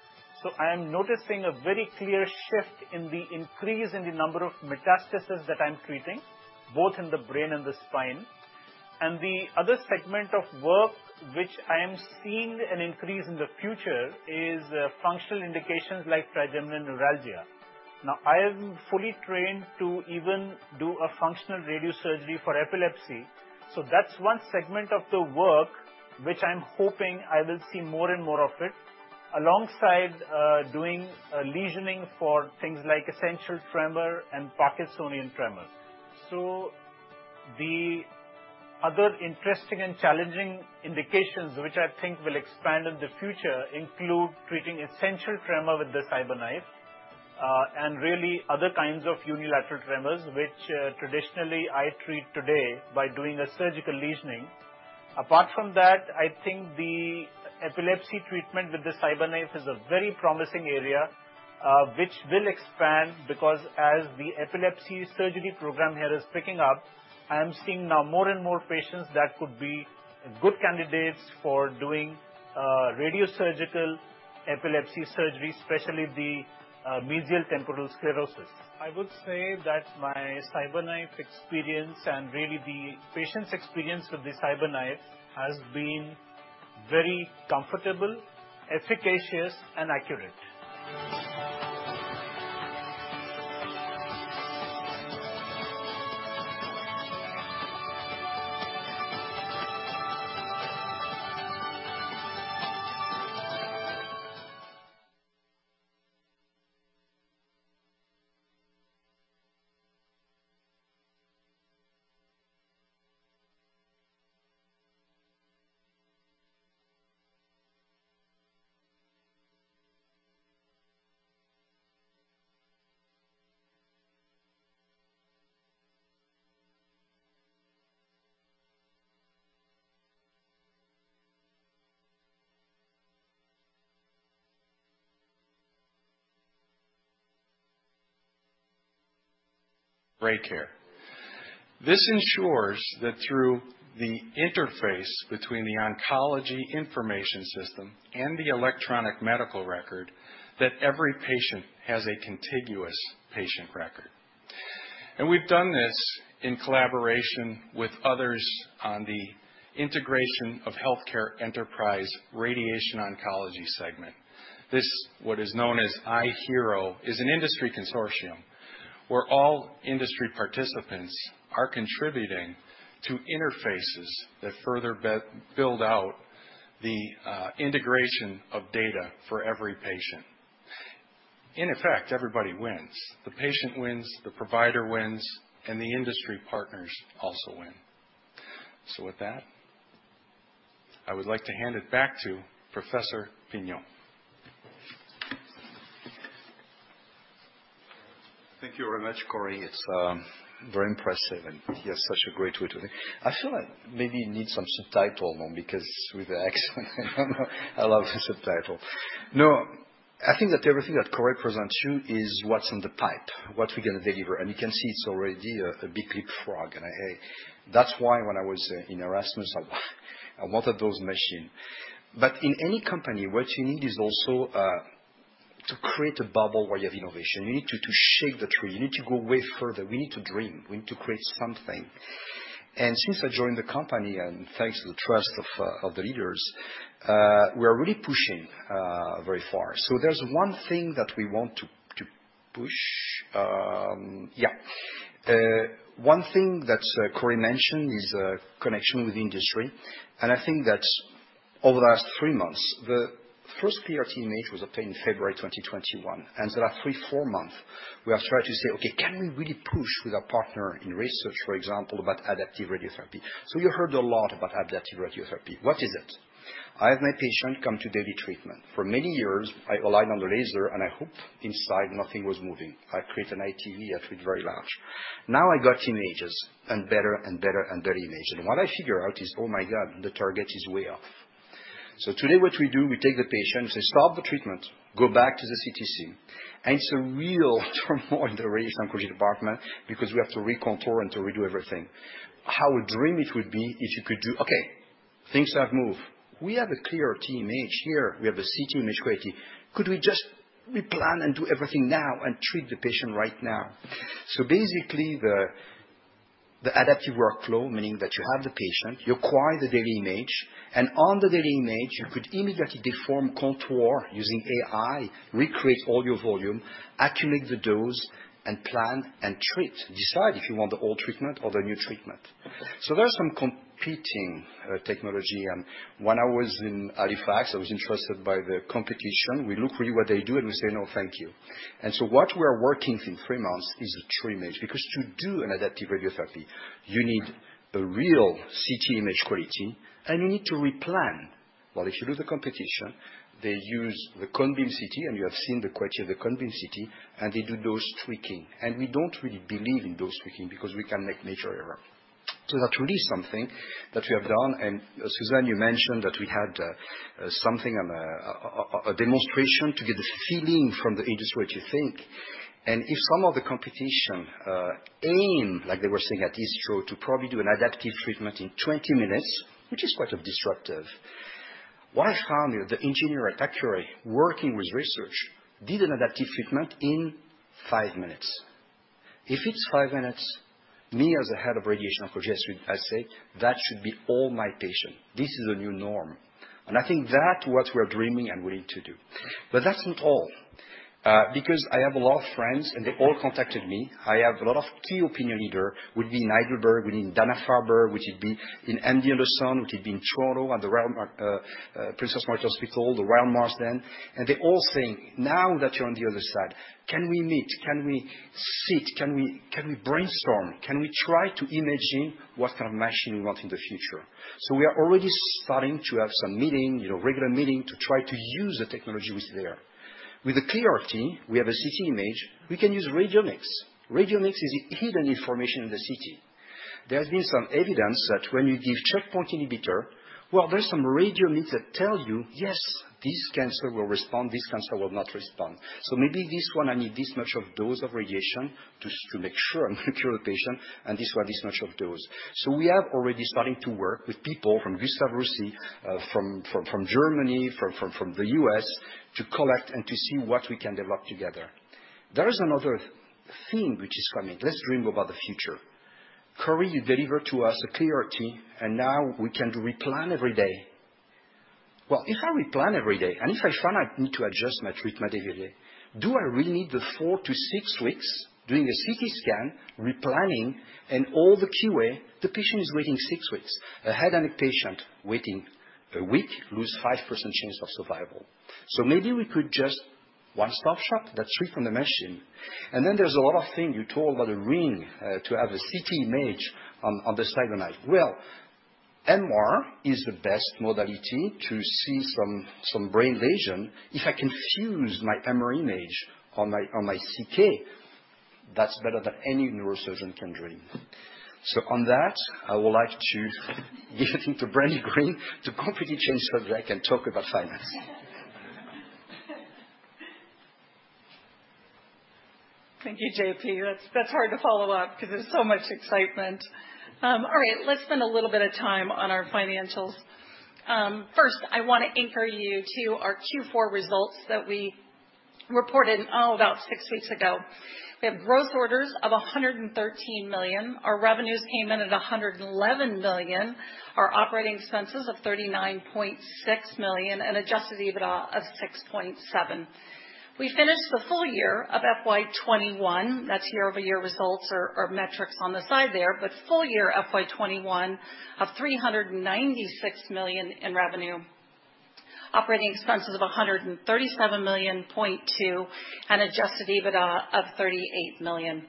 Speaker 11: I am noticing a very clear shift in the increase in the number of metastases that I'm treating, both in the brain and the spine. The other segment of work which I am seeing an increase in the future is functional indications like trigeminal neuralgia. Now, I am fully trained to even do a functional radiosurgery for epilepsy. That's one segment of the work which I'm hoping I will see more and more of it, alongside doing lesioning for things like essential tremor and Parkinsonian tremors. The other interesting and challenging indications which I think will expand in the future include treating essential tremor with the CyberKnife, and really other kinds of unilateral tremors, which traditionally I treat today by doing a surgical lesioning. Apart from that, I think the epilepsy treatment with the CyberKnife is a very promising area, which will expand because as the epilepsy surgery program here is picking up, I am seeing now more and more patients that could be good candidates for doing radiosurgical epilepsy surgery, especially the mesial temporal sclerosis. I would say that my CyberKnife experience and really the patient's experience with the CyberKnife has been very comfortable, efficacious and accurate.
Speaker 8: RayCare. This ensures that through the interface between the oncology information system and the electronic medical record, that every patient has a contiguous patient record. We've done this in collaboration with others on the Integration of Healthcare Enterprise Radiation Oncology segment. This, what is known as IHE-RO, is an industry consortium where all industry participants are contributing to interfaces that further build out the integration of data for every patient. In effect, everybody wins. The patient wins, the provider wins, and the industry partners also win. With that, I would like to hand it back to Professor Pignol.
Speaker 6: Thank you very much, Corey. It's very impressive. He has such a great way. I feel like maybe you need some subtitle because with the accent, I love the subtitle. No, I think that everything that Corey presents you is what's in the pipe, what we're going to deliver. You can see it's already a big leap frog. That's why when I was in Erasmus, I wanted those machine. In any company, what you need is also to create a bubble where you have innovation. You need to shake the tree. You need to go way further. We need to dream. We need to create something. Since I joined the company, thanks to the trust of the leaders, we're really pushing very far. There's one thing that. Push. Yeah. One thing that Corey mentioned is connection with industry. I think that over the last five months, the first ClearRT image was obtained February 2021, and the last three, four months, we have started to say, okay, can we really push with our partner in research, for example, about adaptive radiotherapy? You heard a lot about adaptive radiotherapy. What is it? I have my patient come to daily treatment. For many years, I aligned on the laser. I hope inside nothing was moving. I create an ITV. I treat very large. Now I got images and better and better and better image. What I figure out is, oh my God, the target is way off. Today what we do, we take the patient and say, stop the treatment, go back to the CTC. It's a real turmoil in the radiation oncology department because we have to recontour and to redo everything. How a dream it would be if you could do, okay, things have moved. We have a clearer image here. We have a CT image quality. Could we just replan and do everything now and treat the patient right now? Basically, the adaptive workflow, meaning that you have the patient, you acquire the daily image, and on the daily image, you could immediately deform contour using AI, recreate all your volume, accumulate the dose, and plan and treat, decide if you want the old treatment or the new treatment. There are some competing technology and when I was in Halifax, I was interested by the competition. We look really what they do, and we say, no, thank you. What we are working for three months is a true image. To do an adaptive radiotherapy, you need a real CT image quality, and you need to replan. While if you look at the competition, they use the cone-beam CT, and you have seen the quality of the cone-beam CT, and they do dose tweaking. We don't really believe in dose tweaking because we can make major error. That really is something that we have done. Suzanne, you mentioned that we had something on a demonstration to get the feeling from the industry what you think. If some of the competition aim, like they were saying at ESTRO, to probably do an adaptive treatment in 20 minutes, which is quite disruptive. What I found, the engineer at Accuray working with research did an adaptive treatment in five minutes. If it's 5 minutes, me as a head of radiation oncology, I say, that should be all my patient. This is a new norm. I think that's what we're dreaming and willing to do. That's not all. I have a lot of friends, and they all contacted me. I have a lot of key opinion leader, would be in Heidelberg, would be in Dana-Farber, which would be in MD Anderson, which would be in Toronto at the Princess Margaret Cancer Centre, The Royal Marsden. They all say, now that you're on the other side, can we meet? Can we sit? Can we brainstorm? Can we try to imagine what kind of machine we want in the future? We are already starting to have some meeting, regular meeting to try to use the technology which is there. With the ClearRT, we have a CT image, we can use Radiomics. Radiomics is hidden information in the CT. There's been some evidence that when you give checkpoint inhibitor, well, there's some Radiomics that tell you, yes, this cancer will respond, this cancer will not respond. Maybe this one, I need this much of dose of radiation to make sure I'm going to cure the patient, and this one, this much of dose. We have already started to work with people from Gustave Roussy, from Germany, from the U.S. to collect and to see what we can develop together. There is another thing which is coming. Let's dream about the future. Corey, you delivered to us a ClearRT, and now we can replan every day. Well, if I replan every day, if I find I need to adjust my treatment every day, do I really need the four to six weeks doing a CT scan, replanning and all the QA? The patient is waiting six weeks. A head and neck patient waiting a week lose 5% chance of survival. Maybe we could just one stop shop that's free from the machine. There's a lot of thing you talk about the ring, to have a CT image on the side of my Well, MR is the best modality to see some brain lesion. If I can fuse my MR image on my CK, that's better than any neurosurgeon can dream. On that, I would like to give it into Brandy Green to completely change subject and talk about finance.
Speaker 12: Thank you, JP. That's hard to follow up because there's so much excitement. All right. Let's spend a little bit of time on our financials. First, I want to anchor you to our Q4 results that we reported, oh, about six weeks ago. We have growth orders of $113 million. Our revenues came in at $111 million. Our operating expenses of $39.6 million and adjusted EBITDA of $6.7 million. We finished the full year of FY 2021. That's year-over-year results or metrics on the side there. Full year FY 2021 of $396 million in revenue, operating expenses of $137.2 million, and adjusted EBITDA of $38 million.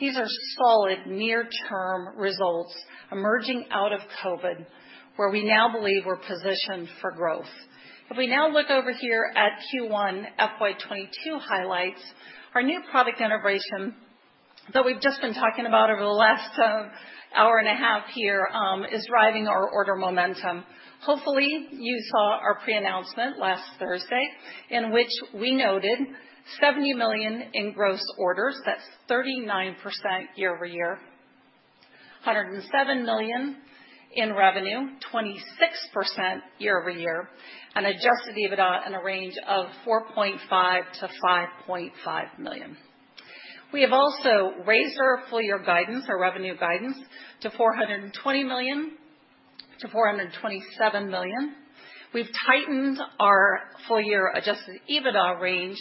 Speaker 12: These are solid near-term results emerging out of COVID, where we now believe we're positioned for growth. We now look over here at Q1 FY 2022 highlights, our new product integration that we've just been talking about over the last hour and a half here, is driving our order momentum. Hopefully, you saw our pre-announcement last Thursday, in which we noted $70 million in gross orders. That's 39% year-over-year, $107 million in revenue, 26% year-over-year, and adjusted EBITDA in a range of $4.5 million-$5.5 million. We have also raised our full-year guidance, our revenue guidance to $420 million-$427 million. We've tightened our full-year adjusted EBITDA range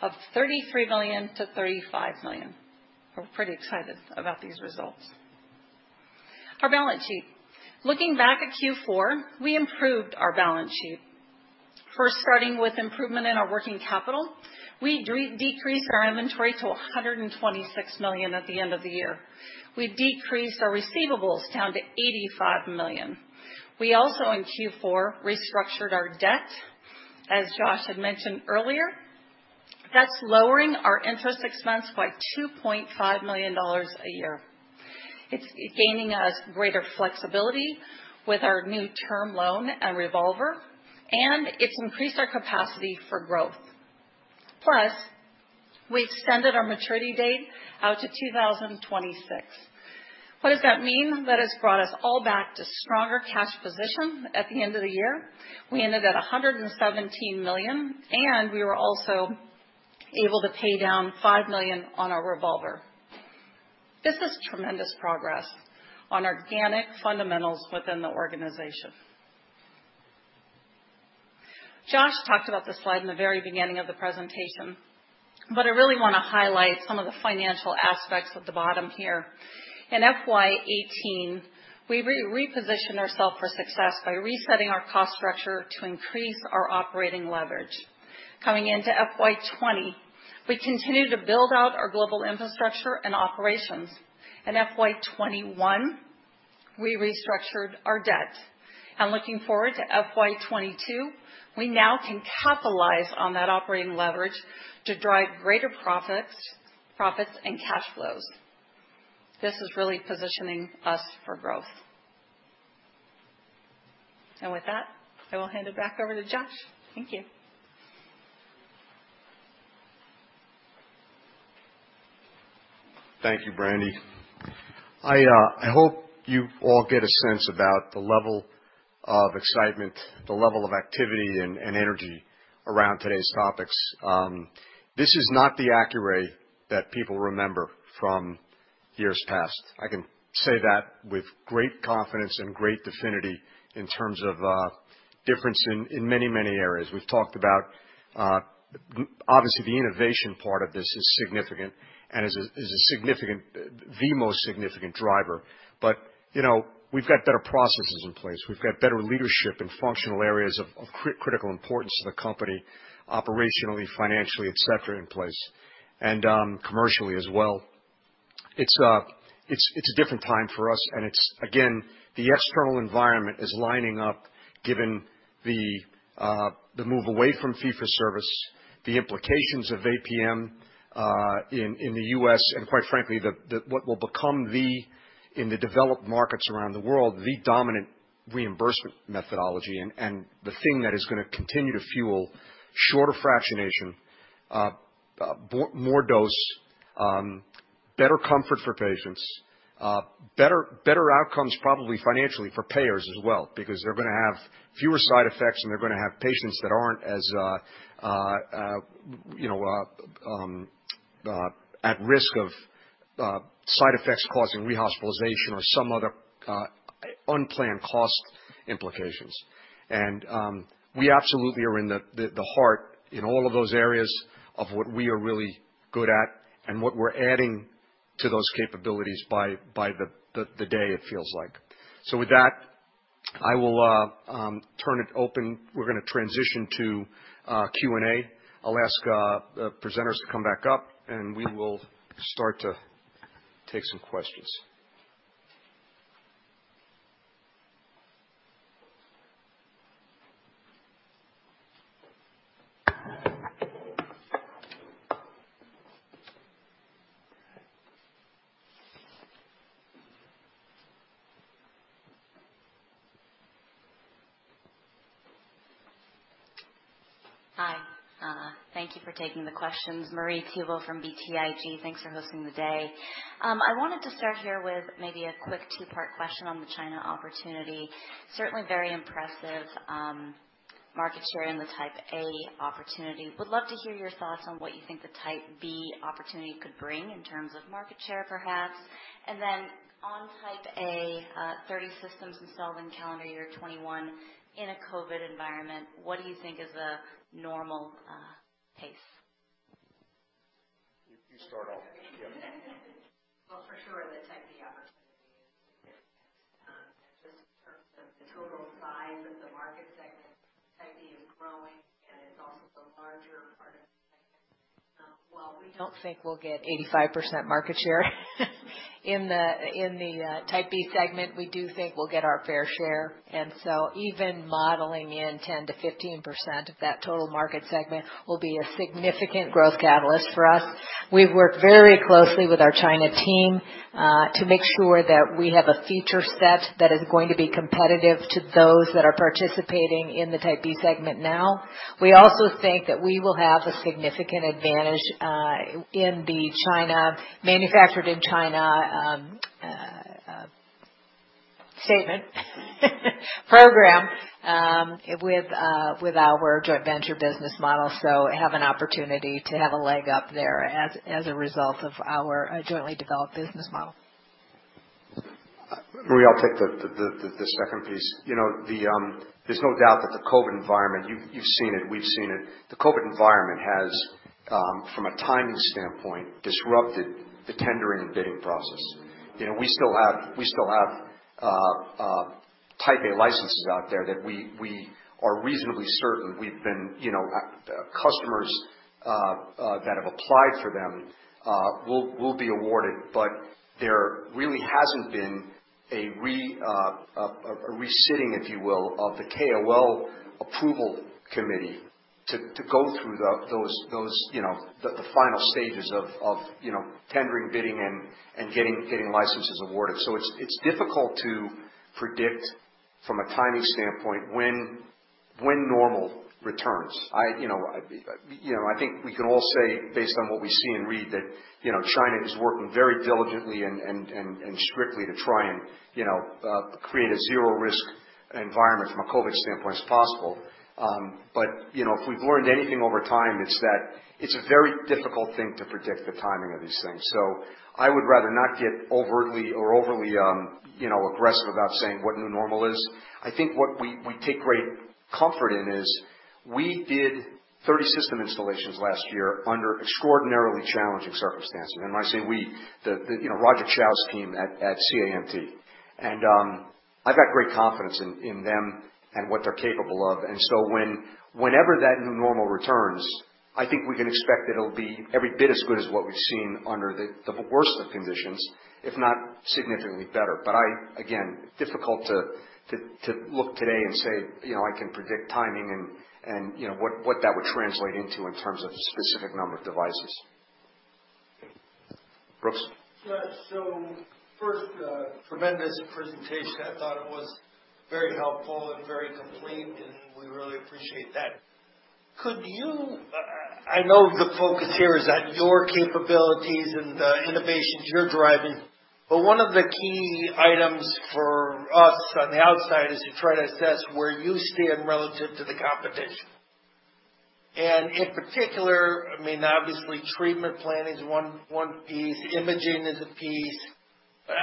Speaker 12: of $33 million-$35 million. We're pretty excited about these results. Our balance sheet. Looking back at Q4, we improved our balance sheet. First, starting with improvement in our working capital. We decreased our inventory to $126 million at the end of the year. We decreased our receivables down to $85 million. We also, in Q4, restructured our debt, as Josh had mentioned earlier. That's lowering our interest expense by $2.5 million a year. It's gaining us greater flexibility with our new term loan and revolver, and it's increased our capacity for growth. We extended our maturity date out to 2026. What does that mean? That has brought us all back to stronger cash position at the end of the year. We ended at $117 million, and we were also able to pay down $5 million on our revolver. This is tremendous progress on organic fundamentals within the organization. Josh talked about this slide in the very beginning of the presentation, but I really want to highlight some of the financial aspects at the bottom here. In FY 2018, we repositioned ourselves for success by resetting our cost structure to increase our operating leverage. Coming into FY 2020, we continued to build out our global infrastructure and operations. In FY 2021, we restructured our debt. Looking forward to FY 2022, we now can capitalize on that operating leverage to drive greater profits and cash flows. This is really positioning us for growth. With that, I will hand it back over to Josh. Thank you.
Speaker 2: Thank you, Brandy. I hope you all get a sense about the level of excitement, the level of activity, and energy around today's topics. This is not the Accuray that people remember from years past. I can say that with great confidence and great definity in terms of difference in many areas. We've talked about, obviously, the innovation part of this is significant and is the most significant driver. We've got better processes in place. We've got better leadership in functional areas of critical importance to the company, operationally, financially, et cetera, in place, and commercially as well. It's a different time for us, and it's, again, the external environment is lining up given the move away from fee-for-service, the implications of APM in the U.S., and quite frankly, what will become, in the developed markets around the world, the dominant reimbursement methodology and the thing that is going to continue to fuel shorter fractionation, more dose, better comfort for patients, better outcomes probably financially for payers as well, because they're going to have fewer side effects, and they're going to have patients that aren't at risk of side effects causing rehospitalization or some other unplanned cost implications. We absolutely are in the heart in all of those areas of what we are really good at and what we're adding to those capabilities by the day, it feels like. With that, I will turn it open. We're going to transition to Q&A. I'll ask presenters to come back up, and we will start to take some questions.
Speaker 13: Hi. Thank you for taking the questions. Marie Thibault from BTIG. Thanks for hosting the day. I wanted to start here with maybe a quick two-part question on the China opportunity. Certainly very impressive market share in the Type A opportunity. Would love to hear your thoughts on what you think the Type B opportunity could bring in terms of market share, perhaps. On Type A, 30 systems installed in calendar year 2021 in a COVID environment, what do you think is a normal pace?
Speaker 2: You start off. Yeah.
Speaker 3: Well, for sure, the Type B opportunity is significant, just in terms of the total size of the market segment. Type B is growing, and it's also the larger part of the segment. While we don't think we'll get 85% market share in the Type B segment, we do think we'll get our fair share. Even modeling in 10%-15% of that total market segment will be a significant growth catalyst for us. We've worked very closely with our China team to make sure that we have a feature set that is going to be competitive to those that are participating in the Type B segment now. We also think that we will have a significant advantage in the manufactured in China statement program with our joint venture business model, so have an opportunity to have a leg up there as a result of our jointly developed business model.
Speaker 2: Marie, I'll take the second piece. There's no doubt that the COVID environment, you've seen it, we've seen it. The COVID environment has, from a timing standpoint, disrupted the tendering and bidding process. We still have Type A licenses out there that we are reasonably certain customers that have applied for them will be awarded. There really hasn't been a re-sitting, if you will, of the KOL approval committee to go through the final stages of tendering, bidding, and getting licenses awarded. It's difficult to predict from a timing standpoint when normal returns. I think we can all say, based on what we see and read, that China is working very diligently and strictly to try and create a zero-risk environment from a COVID standpoint as possible. If we've learned anything over time, it's that it's a very difficult thing to predict the timing of these things. I would rather not get overtly or overly aggressive about saying what new normal is. I think what we take great comfort in is we did 30 system installations last year under extraordinarily challenging circumstances. When I say we, the Roger Chau's team at CAMT. I've got great confidence in them and what they're capable of. Whenever that new normal returns, I think we can expect that it'll be every bit as good as what we've seen under the worst of conditions, if not significantly better. Again, difficult to look today and say I can predict timing and what that would translate into in terms of specific number of devices. Brooks?
Speaker 14: First, tremendous presentation. I thought it was very helpful and very complete, and we really appreciate that. I know the focus here is on your capabilities and the innovations you're driving, but one of the key items for us on the outside is to try to assess where you stand relative to the competition. In particular, obviously, treatment plan is one piece, imaging is a piece, but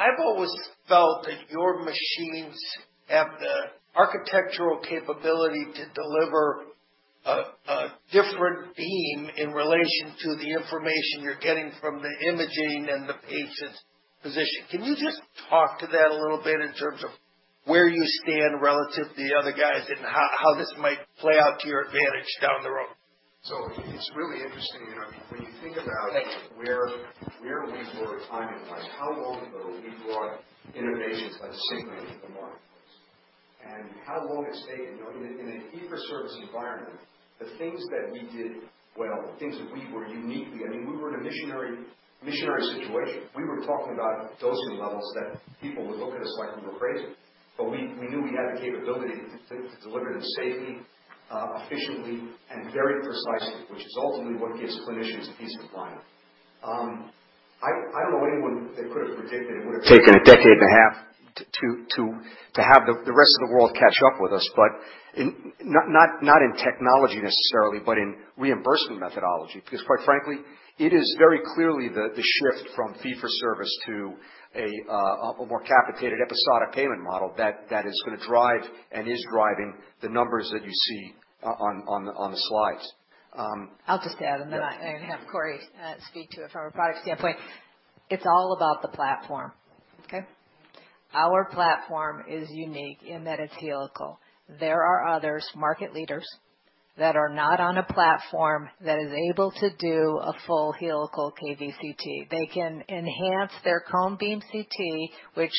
Speaker 14: I've always felt that your machines have the architectural capability to deliver a different beam in relation to the information you're getting from the imaging and the patient's position. Can you just talk to that a little bit in terms of where you stand relative to the other guys and how this might play out to your advantage down the road?
Speaker 2: It's really interesting when you think about where we were timing-wise, how long ago we brought innovations like Synchrony into the marketplace, and how long it's taken. In a fee-for-service environment, the things that we did well, the things that we were unique. We were in a missionary situation. We were talking about dosing levels that people would look at us like we were crazy. We knew we had the capability to deliver them safely, efficiently, and very precisely, which is ultimately what gives clinicians peace of mind. I don't know anyone that could have predicted it would have taken a decade and a half to have the rest of the world catch up with us, not in technology necessarily, but in reimbursement methodology. Quite frankly, it is very clearly the shift from fee-for-service to a more capitated episodic payment model that is going to drive and is driving the numbers that you see on the slides.
Speaker 3: I'll just add, and then I'll have Corey speak to it from a product standpoint. It's all about the platform. Okay. Our platform is unique in that it's helical. There are others, market leaders, that are not on a platform that is able to do a full helical kVCT. They can enhance their Cone Beam CT, which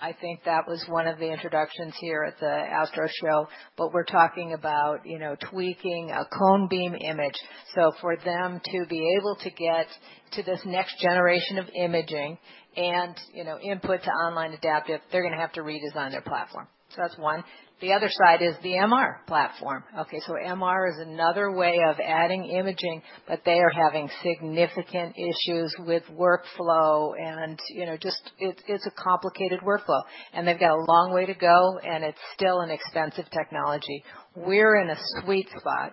Speaker 3: I think that was one of the introductions here at the ASTRO show, but we're talking about tweaking a Cone Beam image. For them to be able to get to this next generation of imaging and input to online adaptive, they're going to have to redesign their platform. That's one. The other side is the MR platform. Okay, MR is another way of adding imaging, but they are having significant issues with workflow, and it's a complicated workflow. They've got a long way to go, and it's still an expensive technology. We're in a sweet spot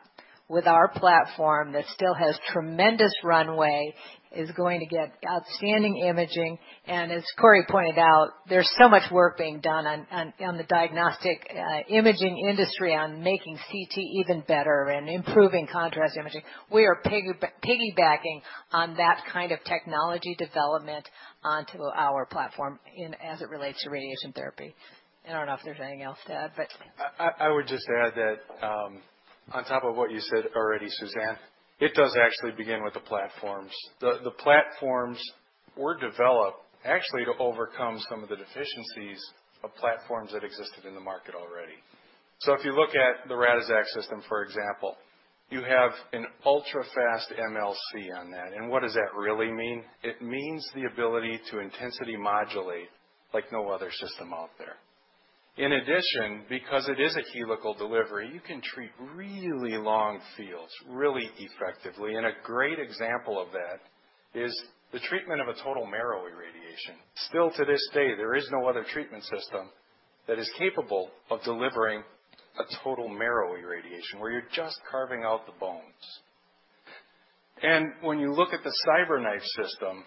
Speaker 3: with our platform that still has tremendous runway, is going to get outstanding imaging, and as Corey pointed out, there's so much work being done on the diagnostic imaging industry on making CT even better and improving contrast imaging. We are piggybacking on that kind of technology development onto our platform as it relates to radiation therapy. I don't know if there's anything else to add.
Speaker 8: I would just add that on top of what you said already, Suzanne, it does actually begin with the platforms. The platforms were developed actually to overcome some of the deficiencies of platforms that existed in the market already. If you look at the Radixact system, for example, you have an ultra-fast MLC on that. What does that really mean? It means the ability to intensity modulate like no other system out there. In addition, because it is a helical delivery, you can treat really long fields really effectively. A great example of that is the treatment of a total marrow irradiation. Still to this day, there is no other treatment system that is capable of delivering a total marrow irradiation, where you're just carving out the bones. When you look at the CyberKnife system,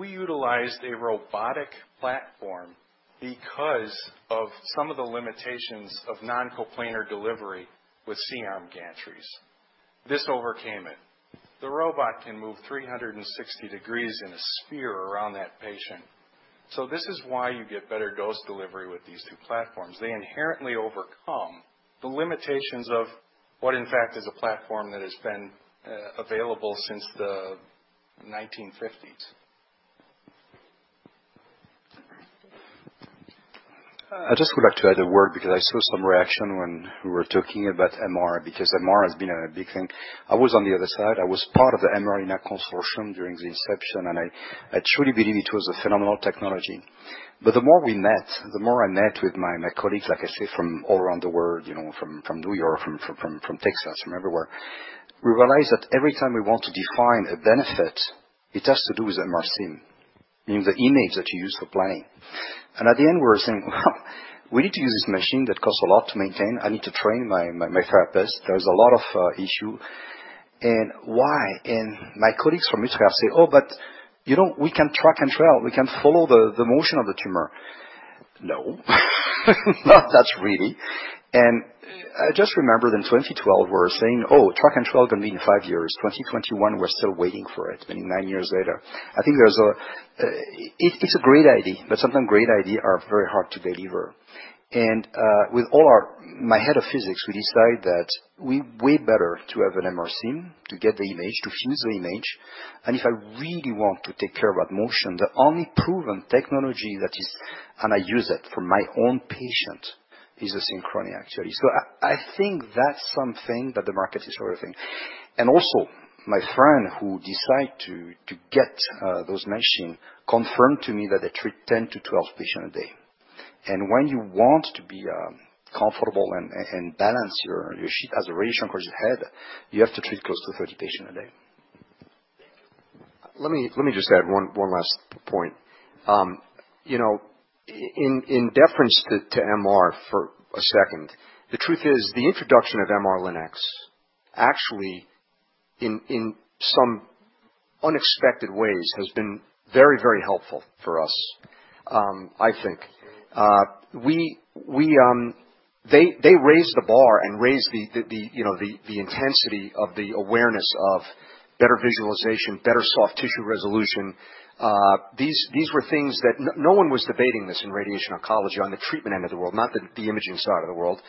Speaker 8: we utilized a robotic platform because of some of the limitations of non-coplanar delivery with C-arm gantries. This overcame it. The robot can move 360 degrees in a sphere around that patient. This is why you get better dose delivery with these two platforms. They inherently overcome the limitations of what in fact is a platform that has been available since the 1950s.
Speaker 6: I just would like to add a word because I saw some reaction when we were talking about MR, because MR has been a big thing. I was on the other side. I was part of the MR-linac consortium during the inception. I truly believe it was a phenomenal technology. The more we met, the more I met with my colleagues, like I said, from all around the world, from New York, from Texas, from everywhere. We realized that every time we want to define a benefit, it has to do with MR sim, meaning the image that you use for planning. At the end, we were saying we need to use this machine that costs a lot to maintain. I need to train my therapist. There is a lot of issue, why? My colleagues from Utrecht say, we can track and trail. We can follow the motion of the tumor. No, not really. I just remember in 2012, we were saying, track and trail going to be in five years. 2021, we're still waiting for it, nine years later. I think it's a great idea, but sometimes great ideas are very hard to deliver. With my head of physics, we decide that we're way better to have an MR sim to get the image, to fuse the image. If I really want to take care about motion, the only proven technology that is, and I use it for my own patient, is the Synchrony, actually. I think that's something that the market is worth in. Also, my friend who decided to get those machines confirmed to me that they treat 10-12 patients a day. When you want to be comfortable and balance your sheet as a radiation oncologist head, you have to treat close to 30 patients a day.
Speaker 2: Let me just add one last point. In deference to MR for a second, the truth is the introduction of MR-linacs, actually in some unexpected ways, has been very helpful for us. I think. They raised the bar and raised the intensity of the awareness of better visualization, better soft tissue resolution. These were things that no one was debating this in radiation oncology on the treatment end of the world, not the imaging side of the world.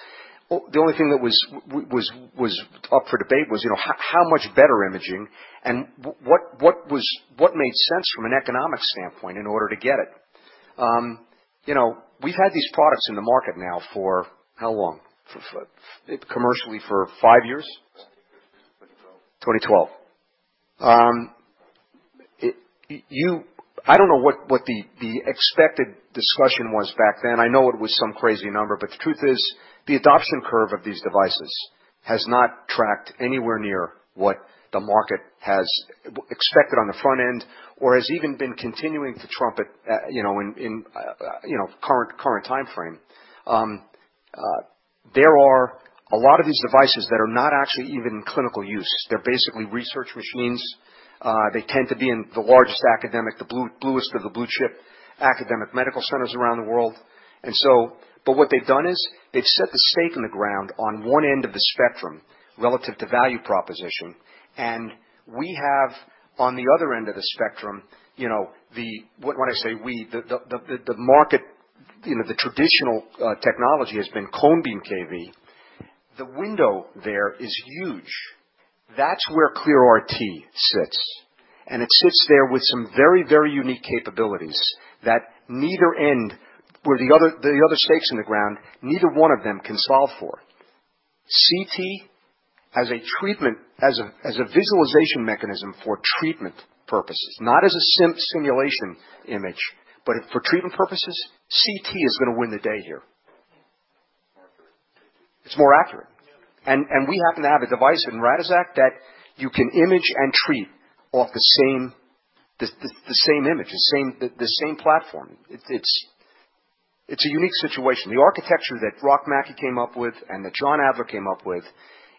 Speaker 2: The only thing that was up for debate was how much better imaging and what made sense from an economic standpoint in order to get it. We've had these products in the market now for how long? Commercially for five years? 2012. 2012. I don't know what the expected discussion was back then. I know it was some crazy number. The truth is, the adoption curve of these devices has not tracked anywhere near what the market has expected on the front end or has even been continuing to trumpet in current timeframe. There are a lot of these devices that are not actually even in clinical use. They're basically research machines. They tend to be in the largest academic, the bluest of the blue-chip academic medical centers around the world. What they've done is they've set the stake in the ground on one end of the spectrum relative to value proposition, and we have on the other end of the spectrum, when I say we, the market, the traditional technology has been cone beam kV. The window there is huge. That's where ClearRT sits, and it sits there with some very unique capabilities that neither end where the other stakes in the ground, neither one of them can solve for. CT as a visualization mechanism for treatment purposes, not as a simulation image, but for treatment purposes, CT is going to win the day here. More accurate. It's more accurate. Yeah. We happen to have a device in Radixact that you can image and treat off the same image, the same platform. It's a unique situation. The architecture that Rock Mackie came up with and that John Adler came up with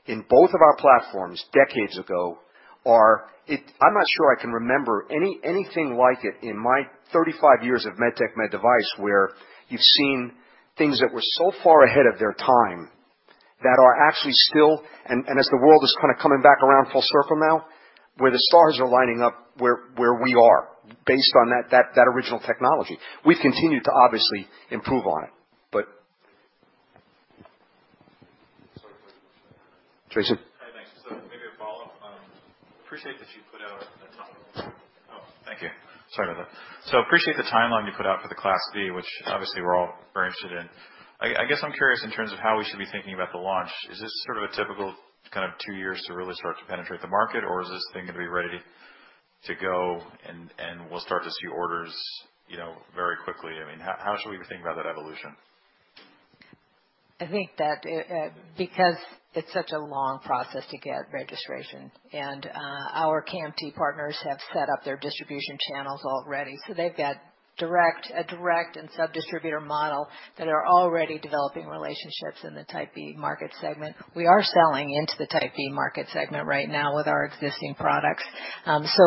Speaker 2: in both of our platforms decades ago are I'm not sure I can remember anything like it in my 35 years of med tech, med device, where you've seen things that were so far ahead of their time that are actually still, and as the world is kind of coming back around full circle now, where the stars are lining up where we are based on that original technology. We've continued to obviously improve on it. Sorry. Jason?
Speaker 15: Hi. Thanks. Maybe a follow-up. Oh, thank you. Sorry about that. Appreciate the timeline you put out for the Class B, which obviously we're all very interested in. I guess I'm curious in terms of how we should be thinking about the launch. Is this sort of a typical kind of two years to really start to penetrate the market, or is this thing going to be ready to go and we'll start to see orders very quickly? How should we be thinking about that evolution?
Speaker 3: I think that because it's such a long process to get registration, and our KMT partners have set up their distribution channels already. They've got a direct and sub-distributor model that are already developing relationships in the Type B market segment. We are selling into the Type B market segment right now with our existing products.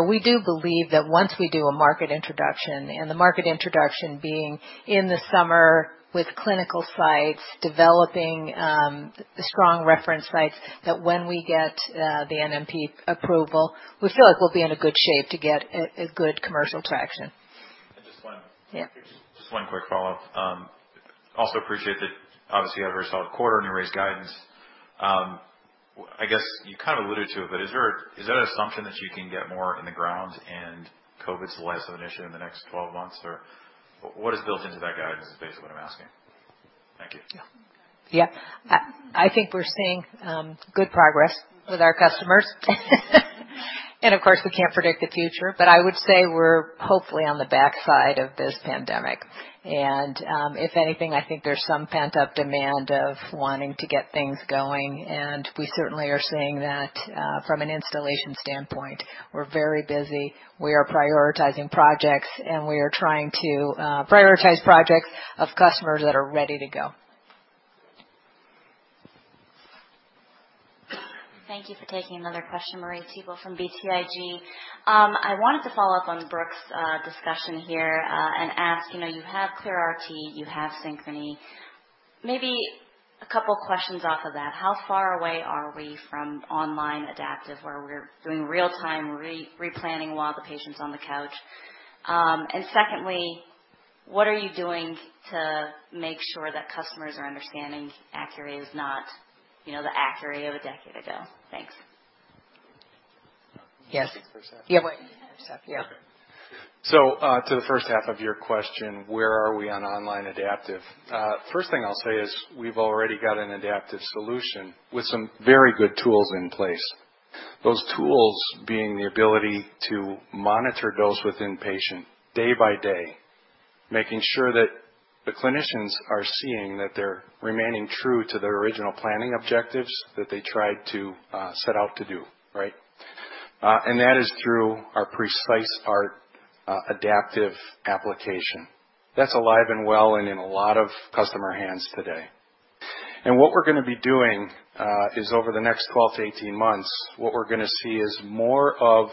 Speaker 3: We do believe that once we do a market introduction, and the market introduction being in the summer with clinical sites, developing strong reference sites, that when we get the NMPA approval, we feel like we'll be in a good shape to get a good commercial traction.
Speaker 15: And just one.
Speaker 3: Yeah.
Speaker 15: Just one quick follow-up. Also appreciate that obviously you had a very solid quarter and you raised guidance. I guess you kind of alluded to it, but is that an assumption that you can get more in the ground and COVID's less of an issue in the next 12 months? What is built into that guidance is basically what I'm asking. Thank you.
Speaker 3: Yeah. I think we're seeing good progress with our customers. Of course, we can't predict the future, but I would say we're hopefully on the backside of this pandemic. If anything, I think there's some pent-up demand of wanting to get things going. We certainly are seeing that from an installation standpoint. We're very busy. We are prioritizing projects, and we are trying to prioritize projects of customers that are ready to go.
Speaker 13: Thank you for taking another question, Marie Thibault from BTIG. I wanted to follow up on Brooks discussion here, ask, you have ClearRT, you have Synchrony. Maybe a couple questions off of that. How far away are we from online adaptive, where we're doing real-time replanning while the patient's on the couch? Secondly, what are you doing to make sure that customers are understanding Accuray is not the Accuray of a decade ago? Thanks.
Speaker 3: Yes.
Speaker 2: First half?
Speaker 3: Yeah.
Speaker 2: Okay. To the first half of your question, where are we on online adaptive? First thing I'll say is we've already got an adaptive solution with some very good tools in place. Those tools being the ability to monitor dose with inpatient day by day, making sure that the clinicians are seeing that they're remaining true to their original planning objectives that they tried to set out to do. That is through our PreciseART adaptive application. That's alive and well and in a lot of customer hands today. What we're going to be doing, is over the next 12 to 18 months, what we're going to see is more of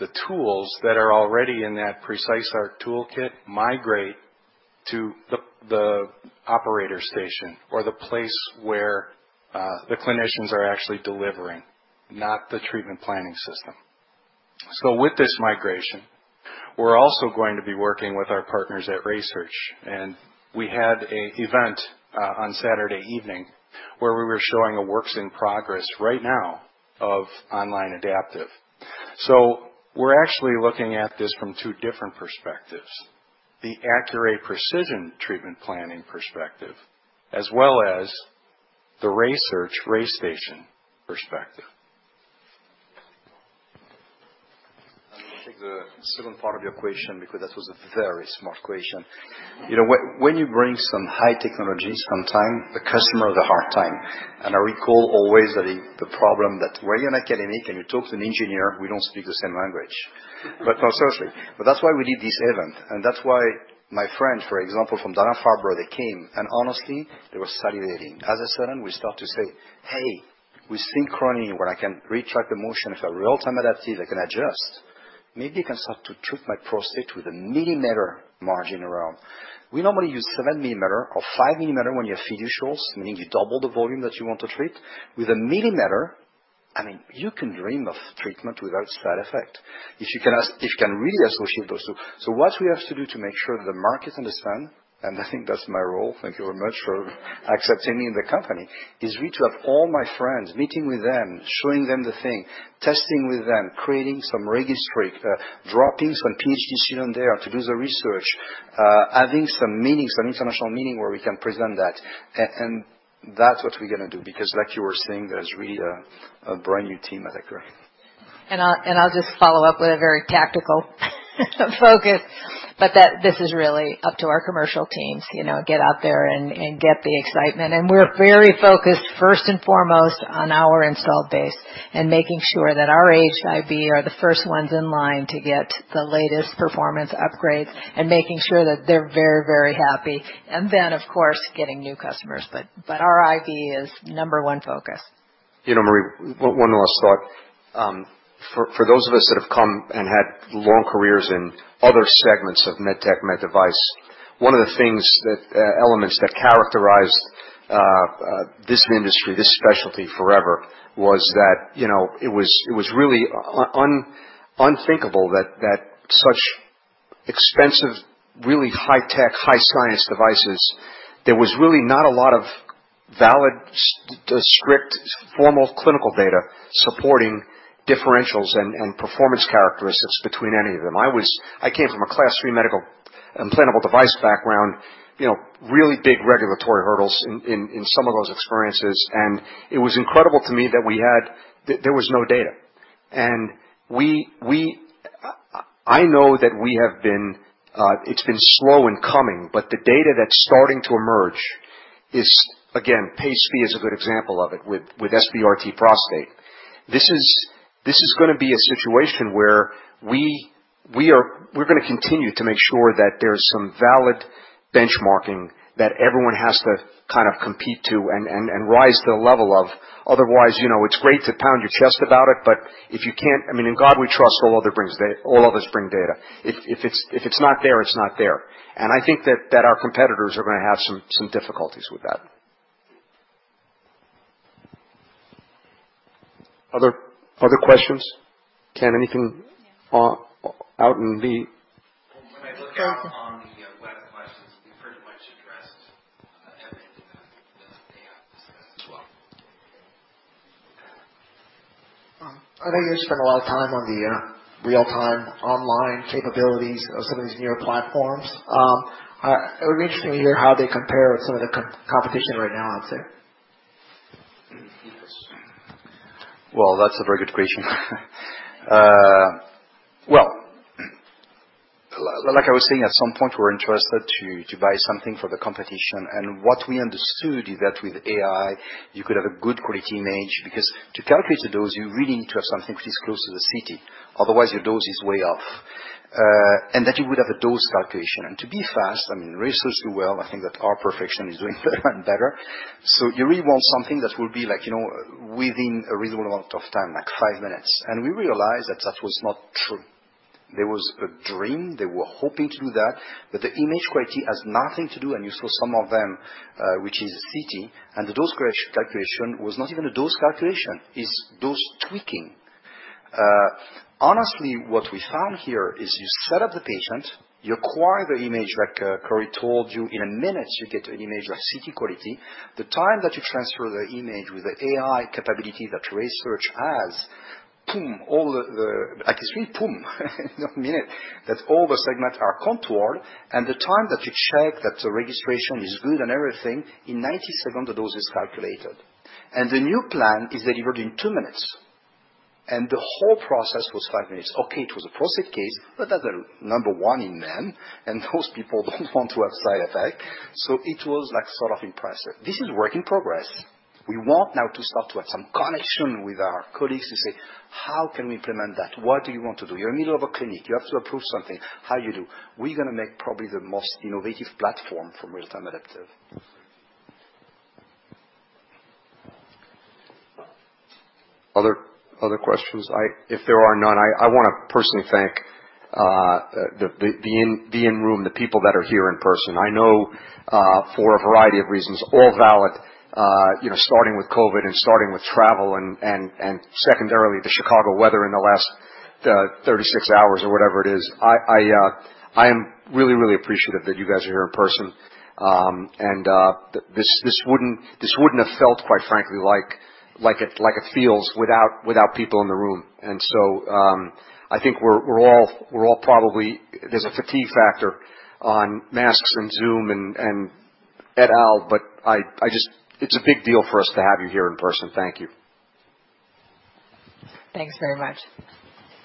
Speaker 2: the tools that are already in that PreciseART toolkit migrate to the operator station or the place where the clinicians are actually delivering, not the treatment planning system. With this migration, we're also going to be working with our partners at RaySearch. We had an event on Saturday evening where we were showing a works in progress right now of online adaptive. We're actually looking at this from two different perspectives, the Accuray Precision Treatment Planning perspective, as well as the RaySearch RayStation perspective.
Speaker 6: I'm going to take the second part of your question because that was a very smart question. When you bring some high technologies, sometimes the customer has a hard time. I recall always that the problem that when you're an academic and you talk to an engineer, we don't speak the same language. No, seriously. That's why we did this event, and that's why my friend, for example, from Dana-Farber, they came, and honestly, they were salivating. As I said, we start to say, hey, with Synchrony, where I can retrack the motion if a real-time adaptive, I can adjust. Maybe I can start to treat my prostate with a millimeter margin around." We normally use 7 mm or 5 mm when you have fiducials, meaning you double the volume that you want to treat. With a millimeter, you can dream of treatment without side effect. If you can really associate those two. What we have to do to make sure the market understand, and I think that's my role, thank you very much for accepting me in the company, is reach out to all my friends, meeting with them, showing them the thing, testing with them, creating some registry, dropping some PhD student there to do the research, adding some international meeting where we can present that. That's what we're going to do, because like you were saying, there's really a brand-new team at Accuray.
Speaker 3: I'll just follow up with a very tactical focus, but this is really up to our commercial teams, get out there and get the excitement. We're very focused, first and foremost, on our install base and making sure that our IB are the first ones in line to get the latest performance upgrades and making sure that they're very happy. Then, of course, getting new customers. Our IB is number one focus.
Speaker 2: Marie, one last thought. For those of us that have come and had long careers in other segments of med tech, med device, one of the elements that characterized this industry, this specialty forever, was that it was really unthinkable that such expensive, really high tech, high science devices, there was really not a lot of valid, strict, formal clinical data supporting differentials and performance characteristics between any of them. I came from a Class III medical implantable device background, really big regulatory hurdles in some of those experiences. It was incredible to me that there was no data. I know that it's been slow in coming, but the data that's starting to emerge is, again, PACE-B is a good example of it with SBRT prostate. This is going to be a situation where we're going to continue to make sure that there's some valid benchmarking that everyone has to compete to and rise to the level of. Otherwise, it's great to pound your chest about it, but if you can't In God we trust, all others bring data. If it's not there, it's not there. I think that our competitors are going to have some difficulties with that. Other questions? Ken, anything out in the.
Speaker 1: When I look out on the web questions, you pretty much addressed everything that they have discussed as well.
Speaker 16: I know you spent a lot of time on the real-time online capabilities of some of these newer platforms. It would be interesting to hear how they compare with some of the competition right now out there.
Speaker 6: Well, that's a very good question. Well, like I was saying, at some point we were interested to buy something for the competition, what we understood is that with AI, you could have a good quality image, because to calculate the dose, you really need to have something which is close to the CT, otherwise your dose is way off. That you would have a dose calculation. To be fast, RaySearch do well. I think that our precision is doing better and better. You really want something that will be within a reasonable amount of time, like five minutes. We realized that that was not true. There was a dream. They were hoping to do that, but the image quality has nothing to do, and you saw some of them, which is a CT, and the dose calculation was not even a dose calculation. It's dose tweaking. Honestly, what we found here is you set up the patient, you acquire the image like Corey told you. In minutes, you get an image of CT quality. The time that you transfer the image with the AI capability that RaySearch has, it's really boom, in a minute that all the segments are contoured and the time that you check that the registration is good and everything, in 90 seconds, the dose is calculated. The new plan is delivered in two minutes, and the whole process was five minutes. Okay, it was a prostate case, but that's the number one in men, and those people don't want to have side effect. It was sort of impressive. This is work in progress. We want now to start to have some connection with our colleagues to say, how can we implement that? What do you want to do? You're in the middle of a clinic. You have to approve something. How you do? We're going to make probably the most innovative platform for real-time adaptive.
Speaker 2: Other questions? If there are none, I want to personally thank the in-room, the people that are here in person. I know, for a variety of reasons, all valid, starting with COVID and starting with travel and secondarily the Chicago weather in the last 36 hours or whatever it is, I am really, really appreciative that you guys are here in person. This wouldn't have felt, quite frankly, like it feels without people in the room. I think there's a fatigue factor on masks and Zoom and et al., but it's a big deal for us to have you here in person. Thank you.
Speaker 1: Thanks very much.